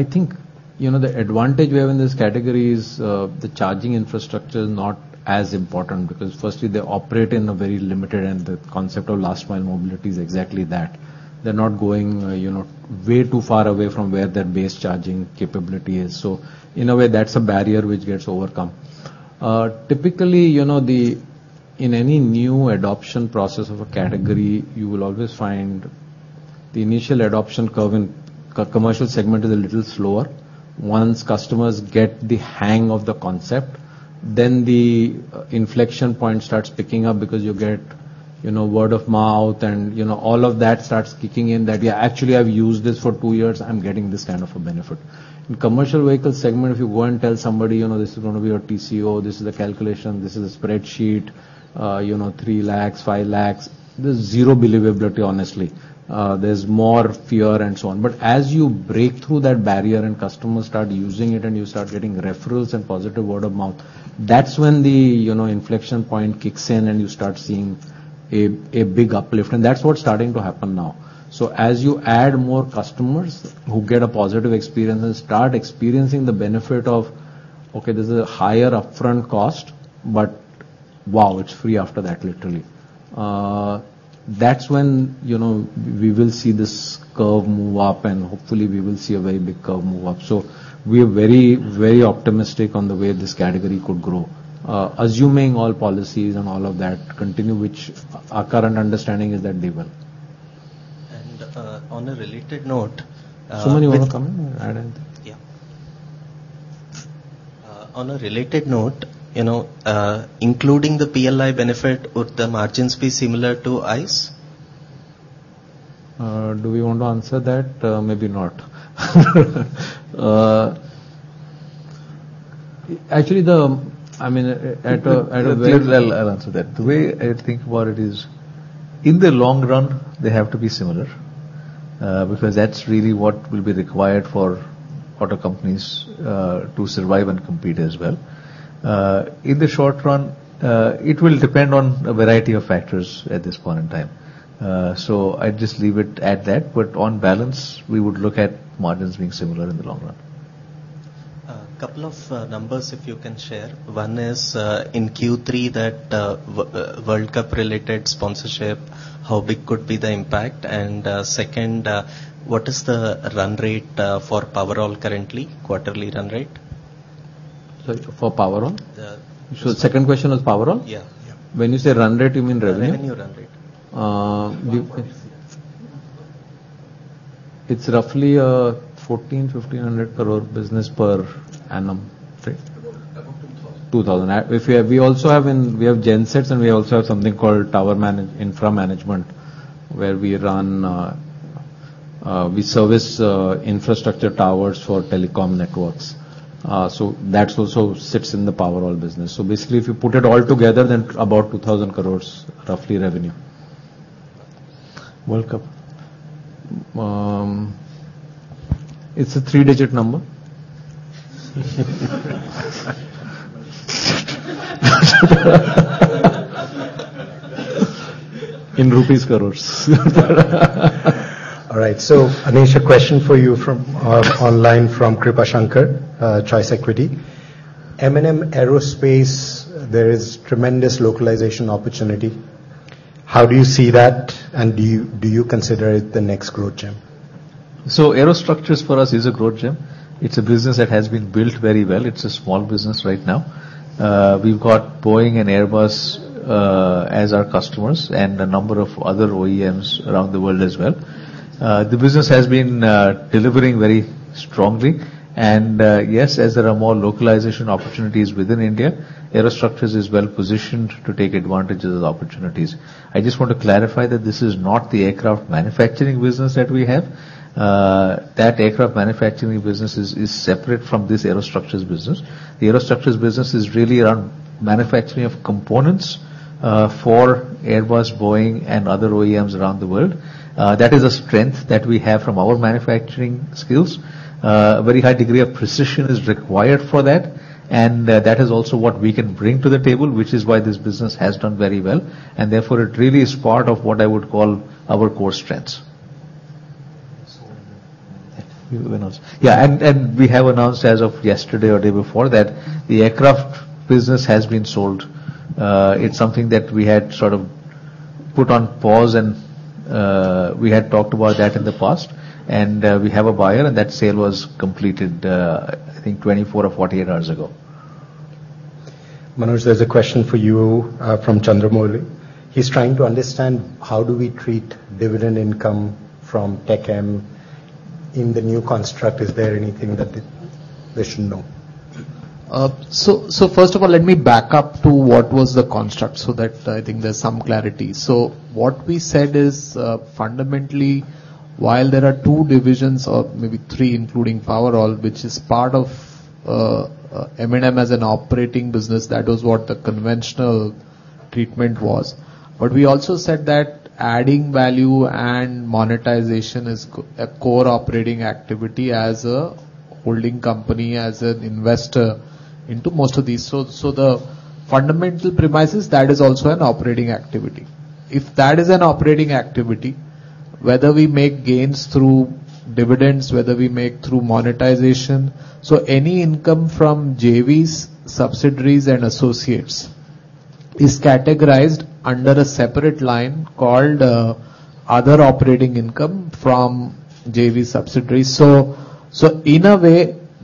think, you know, the advantage we have in this category is, the charging infrastructure is not as important, because firstly, they operate in a very limited, and the concept of last mile mobility is exactly that. They're not going, you know, way too far away from where their base charging capability is. So in a way, that's a barrier which gets overcome. Typically, you know, in any new adoption process of a category, you will always find the initial adoption curve in commercial segment is a little slower. Once customers get the hang of the concept, then the inflection point starts picking up because you get, you know, word of mouth, and, you know, all of that starts kicking in, that, "Yeah, actually, I've used this for two years. I'm getting this kind of a benefit." In commercial vehicle segment, if you go and tell somebody, "You know, this is gonna be your TCO, this is the calculation, this is a spreadsheet, you know, 3 lakhs, 5 lakhs," there's zero believability, honestly. There's more fear, and so on. But as you break through that barrier, and customers start using it, and you start getting referrals and positive word-of-mouth, that's when the, you know, inflection point kicks in, and you start seeing a big uplift. And that's what's starting to happen now. So as you add more customers who get a positive experience and start experiencing the benefit of, "Okay, this is a higher upfront cost, but wow, it's free after that," literally, that's when, you know, we will see this curve move up, and hopefully, we will see a very big curve move up. So we are very, very optimistic on the way this category could grow, assuming all policies and all of that continue, which our current understanding is that they will. On a related note, Suman, you want to come in or add anything? Yeah. On a related note, you know, including the PLI benefit, would the margins be similar to ICE? Do we want to answer that? Maybe not. Actually, the... I mean, at a, at a- I'll answer that. The way I think about it is, in the long run, they have to be similar, because that's really what will be required for auto companies, to survive and compete as well. In the short run, it will depend on a variety of factors at this point in time. So I'd just leave it at that, but on balance, we would look at margins being similar in the long run. Couple of numbers, if you can share. One is, in Q3, that World Cup related sponsorship, how big could be the impact? And, second, what is the run rate, for Powerol currently, quarterly run rate? Sorry, for Powerol? Yeah. The second question was Powerol? Yeah, yeah. When you say run rate, you mean revenue? Monthly run rate. It's roughly 1,400-1,500 crore business per annum. About 2,000. 2,000. We also have—we have gen sets, and we also have something called tower management, infra management, where we run, we service infrastructure towers for telecom networks. So that also sits in the Powerol business. So basically, if you put it all together, then about 2,000 crore, roughly, revenue. World Cup? It's a three-digit number. In INR crores. All right, so Anish, a question for you from online from Kripa Shankar, Tres Equity. M&M Aerospace, there is tremendous localization opportunity. How do you see that, and do you, do you consider it the next growth gem? So aerostructures for us is a growth gem. It's a business that has been built very well. It's a small business right now. We've got Boeing and Airbus as our customers and a number of other OEMs around the world as well. The business has been delivering very strongly, and yes, as there are more localization opportunities within India, aerostructures is well positioned to take advantage of the opportunities. I just want to clarify that this is not the aircraft manufacturing business that we have. That aircraft manufacturing business is separate from this aerostructures business. The aerostructures business is really around manufacturing of components for Airbus, Boeing, and other OEMs around the world. That is a strength that we have from our manufacturing skills. A very high degree of precision is required for that, and that is also what we can bring to the table, which is why this business has done very well, and therefore, it really is part of what I would call our core strengths. Sold. Yeah, and, and we have announced as of yesterday or day before, that the aircraft business has been sold. It's something that we had sort of put on pause, and, we had talked about that in the past, and, we have a buyer, and that sale was completed, I think 24 or 48 hours ago.... Manoj, there's a question for you from Chandramouli. He's trying to understand how do we treat dividend income from Tech M in the new construct? Is there anything that they, they should know? So, first of all, let me back up to what was the construct so that I think there's some clarity. So what we said is, fundamentally, while there are two divisions, or maybe three, including Powerol, which is part of M&M as an operating business, that was what the conventional treatment was. But we also said that adding value and monetization is a core operating activity as a holding company, as an investor into most of these. So, the fundamental premise is that is also an operating activity. If that is an operating activity, whether we make gains through dividends, whether we make through monetization, so any income from JVs, subsidiaries, and associates is categorized under a separate line called Other operating income from JV subsidiaries. So, so in a way,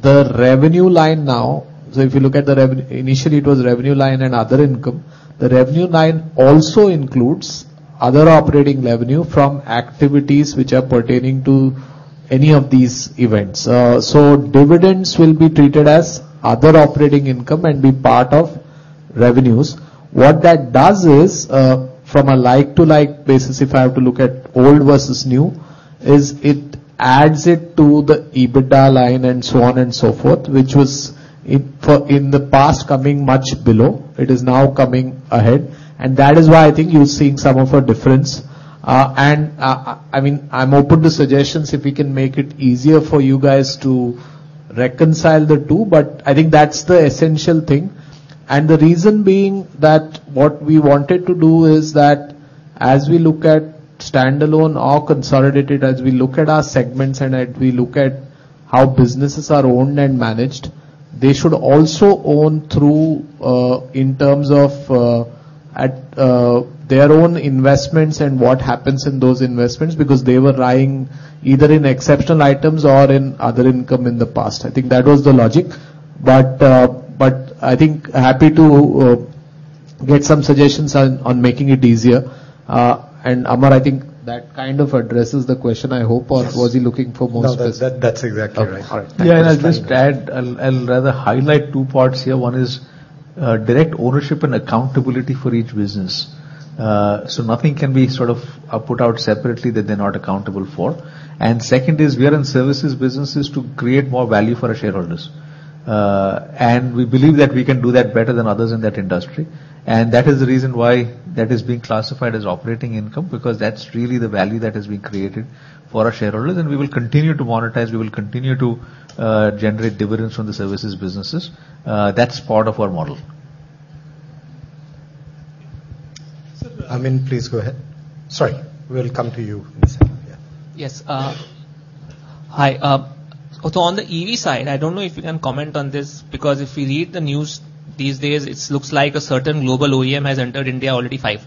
the revenue line now—so if you look at the revenue, initially it was revenue line and other income. The revenue line also includes other operating revenue from activities which are pertaining to any of these events. So dividends will be treated as other operating income and be part of revenues. What that does is, from a like-to-like basis, if I have to look at old versus new, is it adds it to the EBITDA line, and so on and so forth, which was in the past, coming much below, it is now coming ahead, and that is why I think you're seeing some of a difference. And, I mean, I'm open to suggestions if we can make it easier for you guys to reconcile the two, but I think that's the essential thing. And the reason being, that what we wanted to do is that, as we look at standalone or consolidated, as we look at our segments and as we look at how businesses are owned and managed, they should also own through, in terms of, at, their own investments and what happens in those investments, because they were lying either in exceptional items or in other income in the past. I think that was the logic. But, but I think happy to, get some suggestions on, on making it easier. And, Amar, I think that kind of addresses the question, I hope- Yes. Or was he looking for more specific? No, that, that's exactly right. All right. Yeah, and I'll just add, I'll rather highlight two parts here. One is direct ownership and accountability for each business. So nothing can be sort of put out separately that they're not accountable for. And second is, we are in services businesses to create more value for our shareholders, and we believe that we can do that better than others in that industry. And that is the reason why that is being classified as operating income, because that's really the value that is being created for our shareholders. And we will continue to monetize, we will continue to generate dividends from the services businesses. That's part of our model. Sir- Amin, please go ahead. Sorry, we'll come to you. Yeah. Yes, hi, so on the EV side, I don't know if you can comment on this, because if we read the news these days, it looks like a certain global OEM has entered India already five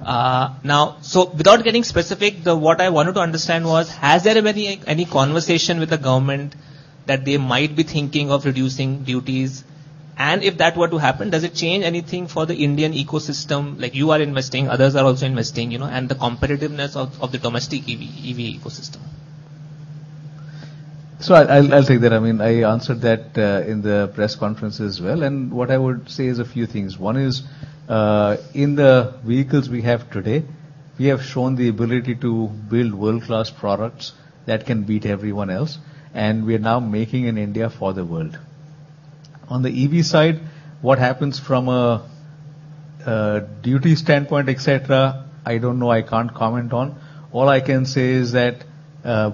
times. Now, so without getting specific, what I wanted to understand was, has there been any conversation with the government that they might be thinking of reducing duties? And if that were to happen, does it change anything for the Indian ecosystem? Like, you are investing, others are also investing, you know, and the competitiveness of the domestic EV ecosystem. So I'll take that. I mean, I answered that in the press conference as well, and what I would say is a few things. One is, in the vehicles we have today, we have shown the ability to build world-class products that can beat everyone else, and we are now making in India for the world. On the EV side, what happens from a duty standpoint, et cetera, I don't know, I can't comment on. All I can say is that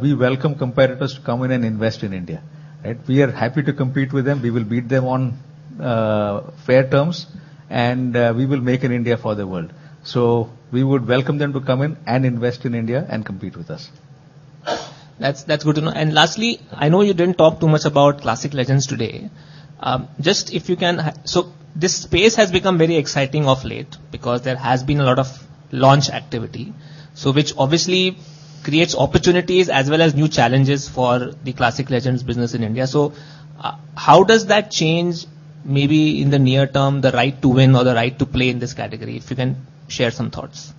we welcome competitors to come in and invest in India, right? We are happy to compete with them. We will beat them on fair terms, and we will make in India for the world. So we would welcome them to come in and invest in India and compete with us. That's, that's good to know. And lastly, I know you didn't talk too much about Classic Legends today. Just if you can... So this space has become very exciting of late, because there has been a lot of launch activity, so which obviously creates opportunities as well as new challenges for the Classic Legends business in India. So, how does that change, maybe in the near term, the right to win or the right to play in this category? If you can share some thoughts.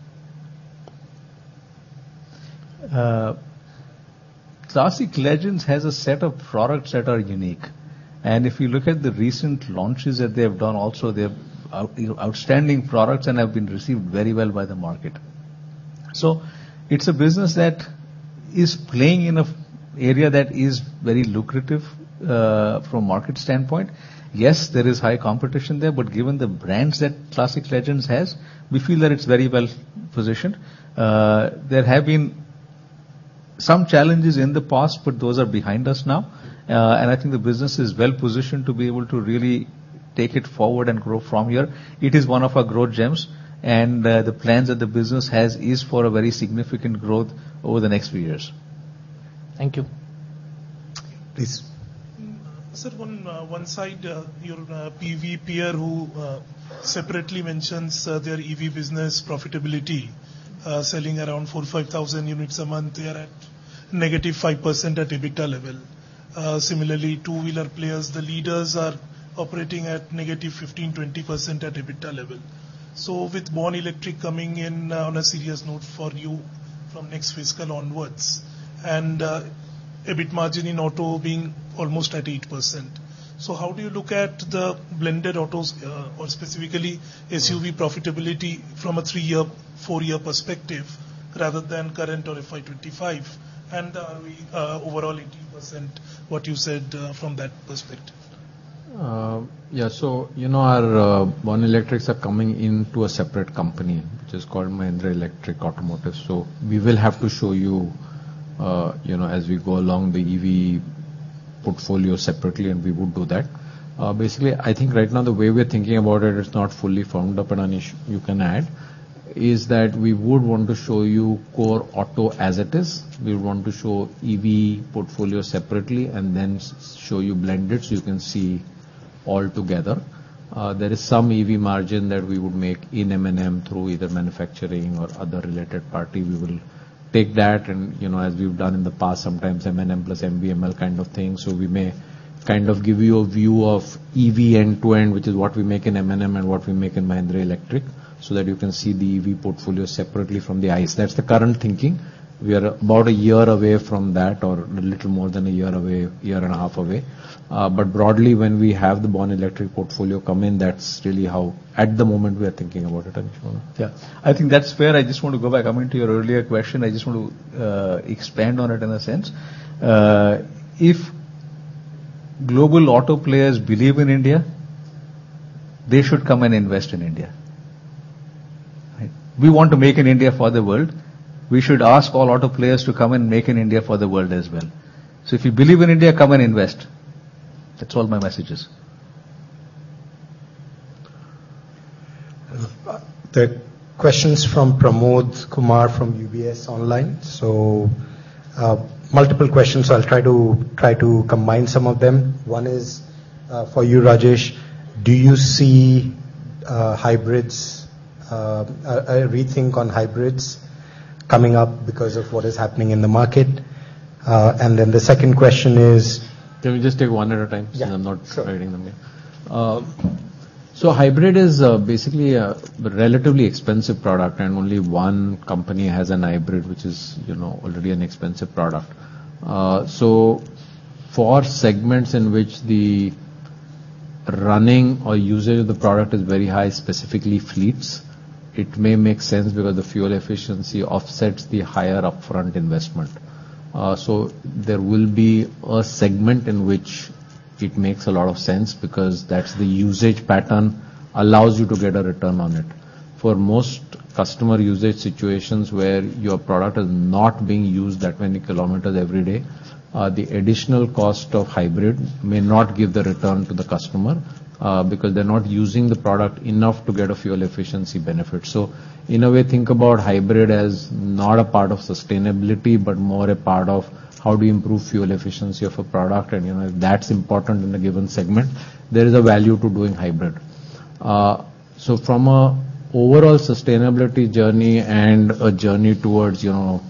Classic Legends has a set of products that are unique, and if you look at the recent launches that they have done, also, they are, you know, outstanding products and have been received very well by the market. So it's a business that is playing in an area that is very lucrative, from a market standpoint. Yes, there is high competition there, but given the brands that Classic Legends has, we feel that it's very well positioned. There have been some challenges in the past, but those are behind us now, and I think the business is well positioned to be able to really take it forward and grow from here. It is one of our growth gems, and, the plans that the business has is for a very significant growth over the next few years. Thank you. Please. Sir, one side, your PV peer who separately mentions their EV business profitability selling around 4-5 thousand units a month, they are at -5% at EBITDA level. Similarly, two-wheeler players, the leaders are operating at -15%-20% at EBITDA level. So with born-electric coming in, on a serious note for you, from next fiscal onwards, and EBIT margin in auto being almost at 8%. So how do you look at the blended autos, or specifically SUV profitability from a 3-year, 4-year perspective, rather than current or FY 2025? And are we overall 18%, what you said, from that perspective? Yeah, so you know, our born electrics are coming into a separate company, which is called Mahindra Electric Automobile. So we will have to show you, you know, as we go along the EV portfolio separately, and we will do that. Basically, I think right now, the way we're thinking about it, it's not fully formed up, and, Anish, you can add, is that we would want to show you core auto as it is. We want to show EV portfolio separately and then show you blended, so you can see all together. There is some EV margin that we would make in M&M through either manufacturing or other related party. We will take that and, you know, as we've done in the past, sometimes M&M plus MVML kind of thing. So we may kind of give you a view of EV end-to-end, which is what we make in M&M and what we make in Mahindra Electric, so that you can see the EV portfolio separately from the ICE. That's the current thinking. We are about a year away from that, or a little more than a year away, year and a half away. But broadly, when we have the born-electric portfolio come in, that's really how, at the moment, we are thinking about it, Anish. Yeah. I think that's fair. I just want to go back, I mean, to your earlier question, I just want to expand on it in a sense. If global auto players believe in India, they should come and invest in India, right? We want to make an India for the world. We should ask all auto players to come and make an India for the world as well. So if you believe in India, come and invest. That's all my message is. The question's from Pramod Kumar, from UBS online. Multiple questions. I'll try to combine some of them. One is for you, Rajesh: Do you see a rethink on hybrids coming up because of what is happening in the market? And then the second question is- Can we just take one at a time? Yeah. So I'm not writing them here. Hybrid is basically a relatively expensive product, and only one company has a hybrid, which is, you know, already an expensive product. For segments in which the running or usage of the product is very high, specifically fleets, it may make sense because the fuel efficiency offsets the higher upfront investment. So there will be a segment in which it makes a lot of sense because that's the usage pattern allows you to get a return on it. For most customer usage situations where your product is not being used that many kilometers every day, the additional cost of hybrid may not give the return to the customer, because they're not using the product enough to get a fuel efficiency benefit. So in a way, think about hybrid as not a part of sustainability, but more a part of how do you improve fuel efficiency of a product, and, you know, if that's important in a given segment, there is a value to doing hybrid. So from an overall sustainability journey and a journey towards, you know,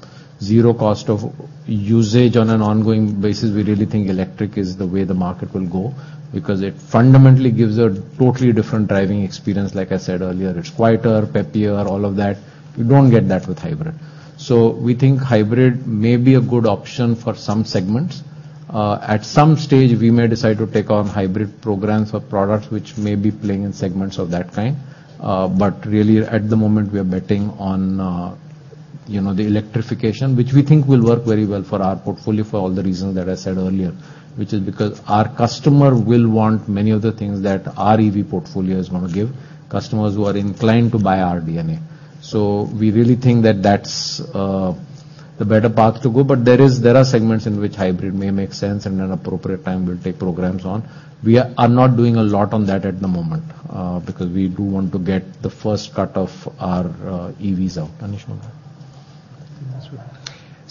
zero cost of usage on an ongoing basis, we really think electric is the way the market will go, because it fundamentally gives a totally different driving experience like I said earlier. It's quieter, peppier, all of that. You don't get that with hybrid. So we think hybrid may be a good option for some segments. At some stage, we may decide to take on hybrid programs or products, which may be playing in segments of that kind. But really, at the moment, we are betting on, you know, the electrification, which we think will work very well for our portfolio for all the reasons that I said earlier, which is because our customer will want many of the things that our EV portfolio is going to give customers who are inclined to buy our DNA. So we really think that that's the better path to go, but there is- there are segments in which hybrid may make sense, and an appropriate time, we'll take programs on. We are not doing a lot on that at the moment, because we do want to get the first cut of our, EVs out. Anish?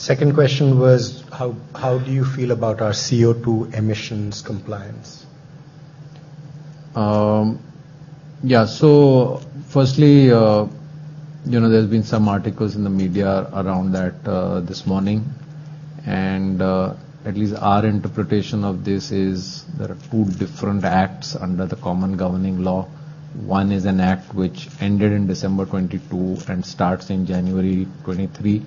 Second question was, how do you feel about our CO2 emissions compliance? Yeah. So firstly, you know, there's been some articles in the media around that, this morning, and, at least our interpretation of this is there are two different acts under the common governing law. One is an act which ended in December 2022 and starts in January 2023.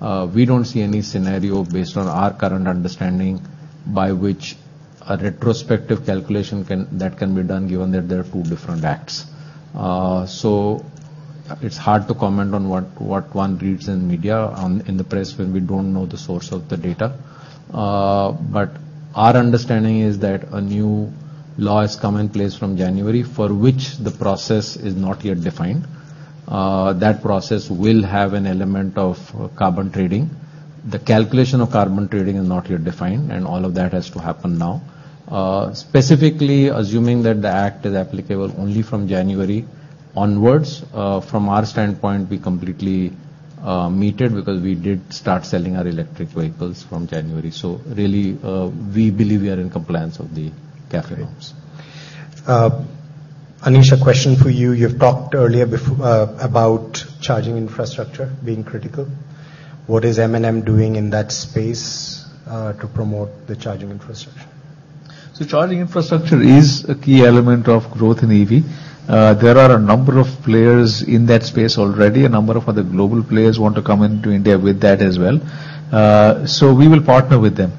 We don't see any scenario based on our current understanding, by which a retrospective calculation can be done, given that there are two different acts. So it's hard to comment on what one reads in the media, in the press, when we don't know the source of the data. But our understanding is that a new law has come in place from January, for which the process is not yet defined. That process will have an element of carbon trading. The calculation of carbon trading is not yet defined, and all of that has to happen now. Specifically, assuming that the act is applicable only from January onwards, from our standpoint, we completely met it because we did start selling our electric vehicles from January. So really, we believe we are in compliance of the CAFE norms.... Anish, a question for you. You've talked earlier about charging infrastructure being critical. What is M&M doing in that space to promote the charging infrastructure? So charging infrastructure is a key element of growth in EV. There are a number of players in that space already. A number of other global players want to come into India with that as well. So we will partner with them.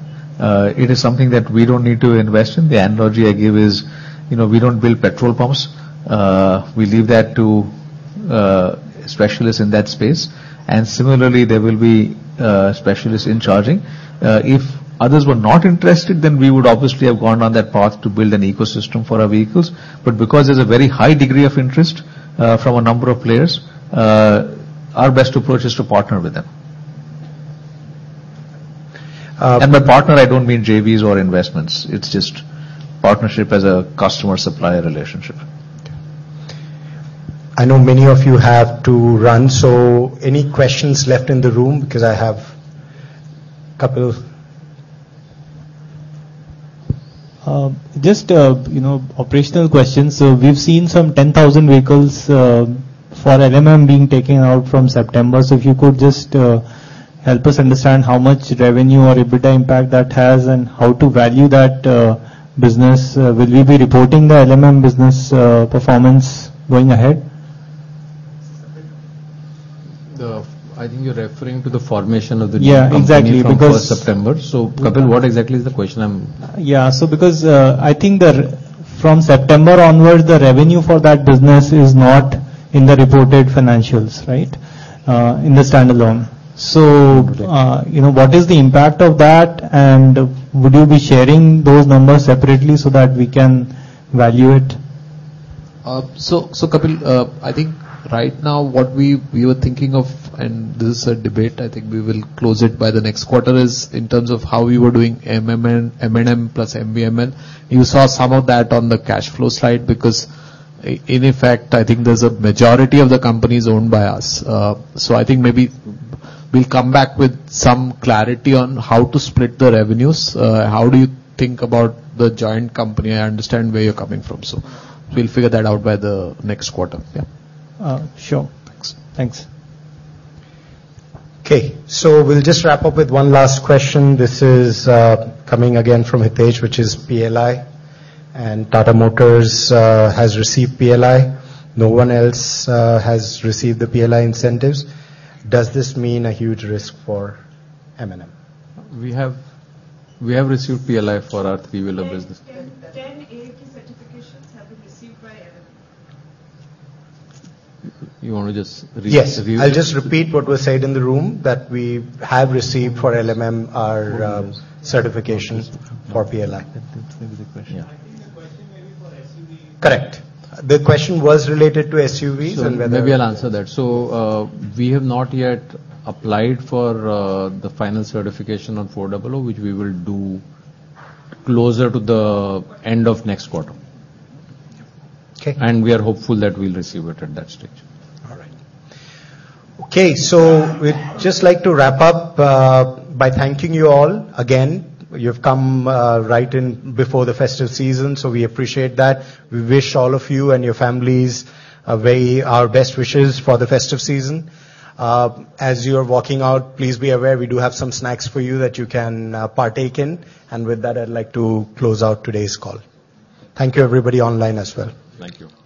It is something that we don't need to invest in. The analogy I give is, you know, we don't build petrol pumps. We leave that to specialists in that space, and similarly, there will be specialists in charging. If others were not interested, then we would obviously have gone on that path to build an ecosystem for our vehicles. But because there's a very high degree of interest from a number of players, our best approach is to partner with them. Uh- By partner, I don't mean JVs or investments, it's just partnership as a customer-supplier relationship. I know many of you have to run, so any questions left in the room? Because I have a couple of... Just, you know, operational questions. So we've seen some 10,000 vehicles for LMM being taken out from September. So if you could just help us understand how much revenue or EBITDA impact that has, and how to value that business. Will we be reporting the LMM business performance going ahead? I think you're referring to the formation of the new company- Yeah, exactly, because- -from first September. So Kapil, what exactly is the question I'm- Yeah. So because, I think that from September onwards, the revenue for that business is not in the reported financials, right? In the standalone. So, you know, what is the impact of that, and would you be sharing those numbers separately so that we can value it? So, so Kapil, I think right now, what we were thinking of, and this is a debate, I think we will close it by the next quarter, is in terms of how we were doing MMN, M&M plus MVMN. You saw some of that on the cash flow slide, because in effect, I think there's a majority of the company is owned by us. So I think maybe we'll come back with some clarity on how to split the revenues. How do you think about the joint company? I understand where you're coming from, so we'll figure that out by the next quarter. Yeah. Uh, sure. Thanks. Thanks. Okay, so we'll just wrap up with one last question. This is coming again from Hitesh, which is PLI, and Tata Motors has received PLI. No one else has received the PLI incentives. Does this mean a huge risk for M&M? We have received PLI for our three-wheeler business. 10, 10 AAT certifications have been received by LMM. You wanna just repeat? Yes, I'll just repeat what was said in the room, that we have received for LMM, our, certifications for PLI. That, that's maybe the question. Yeah. I think the question may be for SUV. Correct. The question was related to SUVs and whether- So maybe I'll answer that. We have not yet applied for the final certification on four double O, which we will do closer to the end of next quarter. Okay. We are hopeful that we'll receive it at that stage. All right. Okay, so we'd just like to wrap up by thanking you all again. You've come right in before the festive season, so we appreciate that. We wish all of you and your families our best wishes for the festive season. As you are walking out, please be aware we do have some snacks for you that you can partake in. With that, I'd like to close out today's call. Thank you everybody online as well. Thank you. Thank you.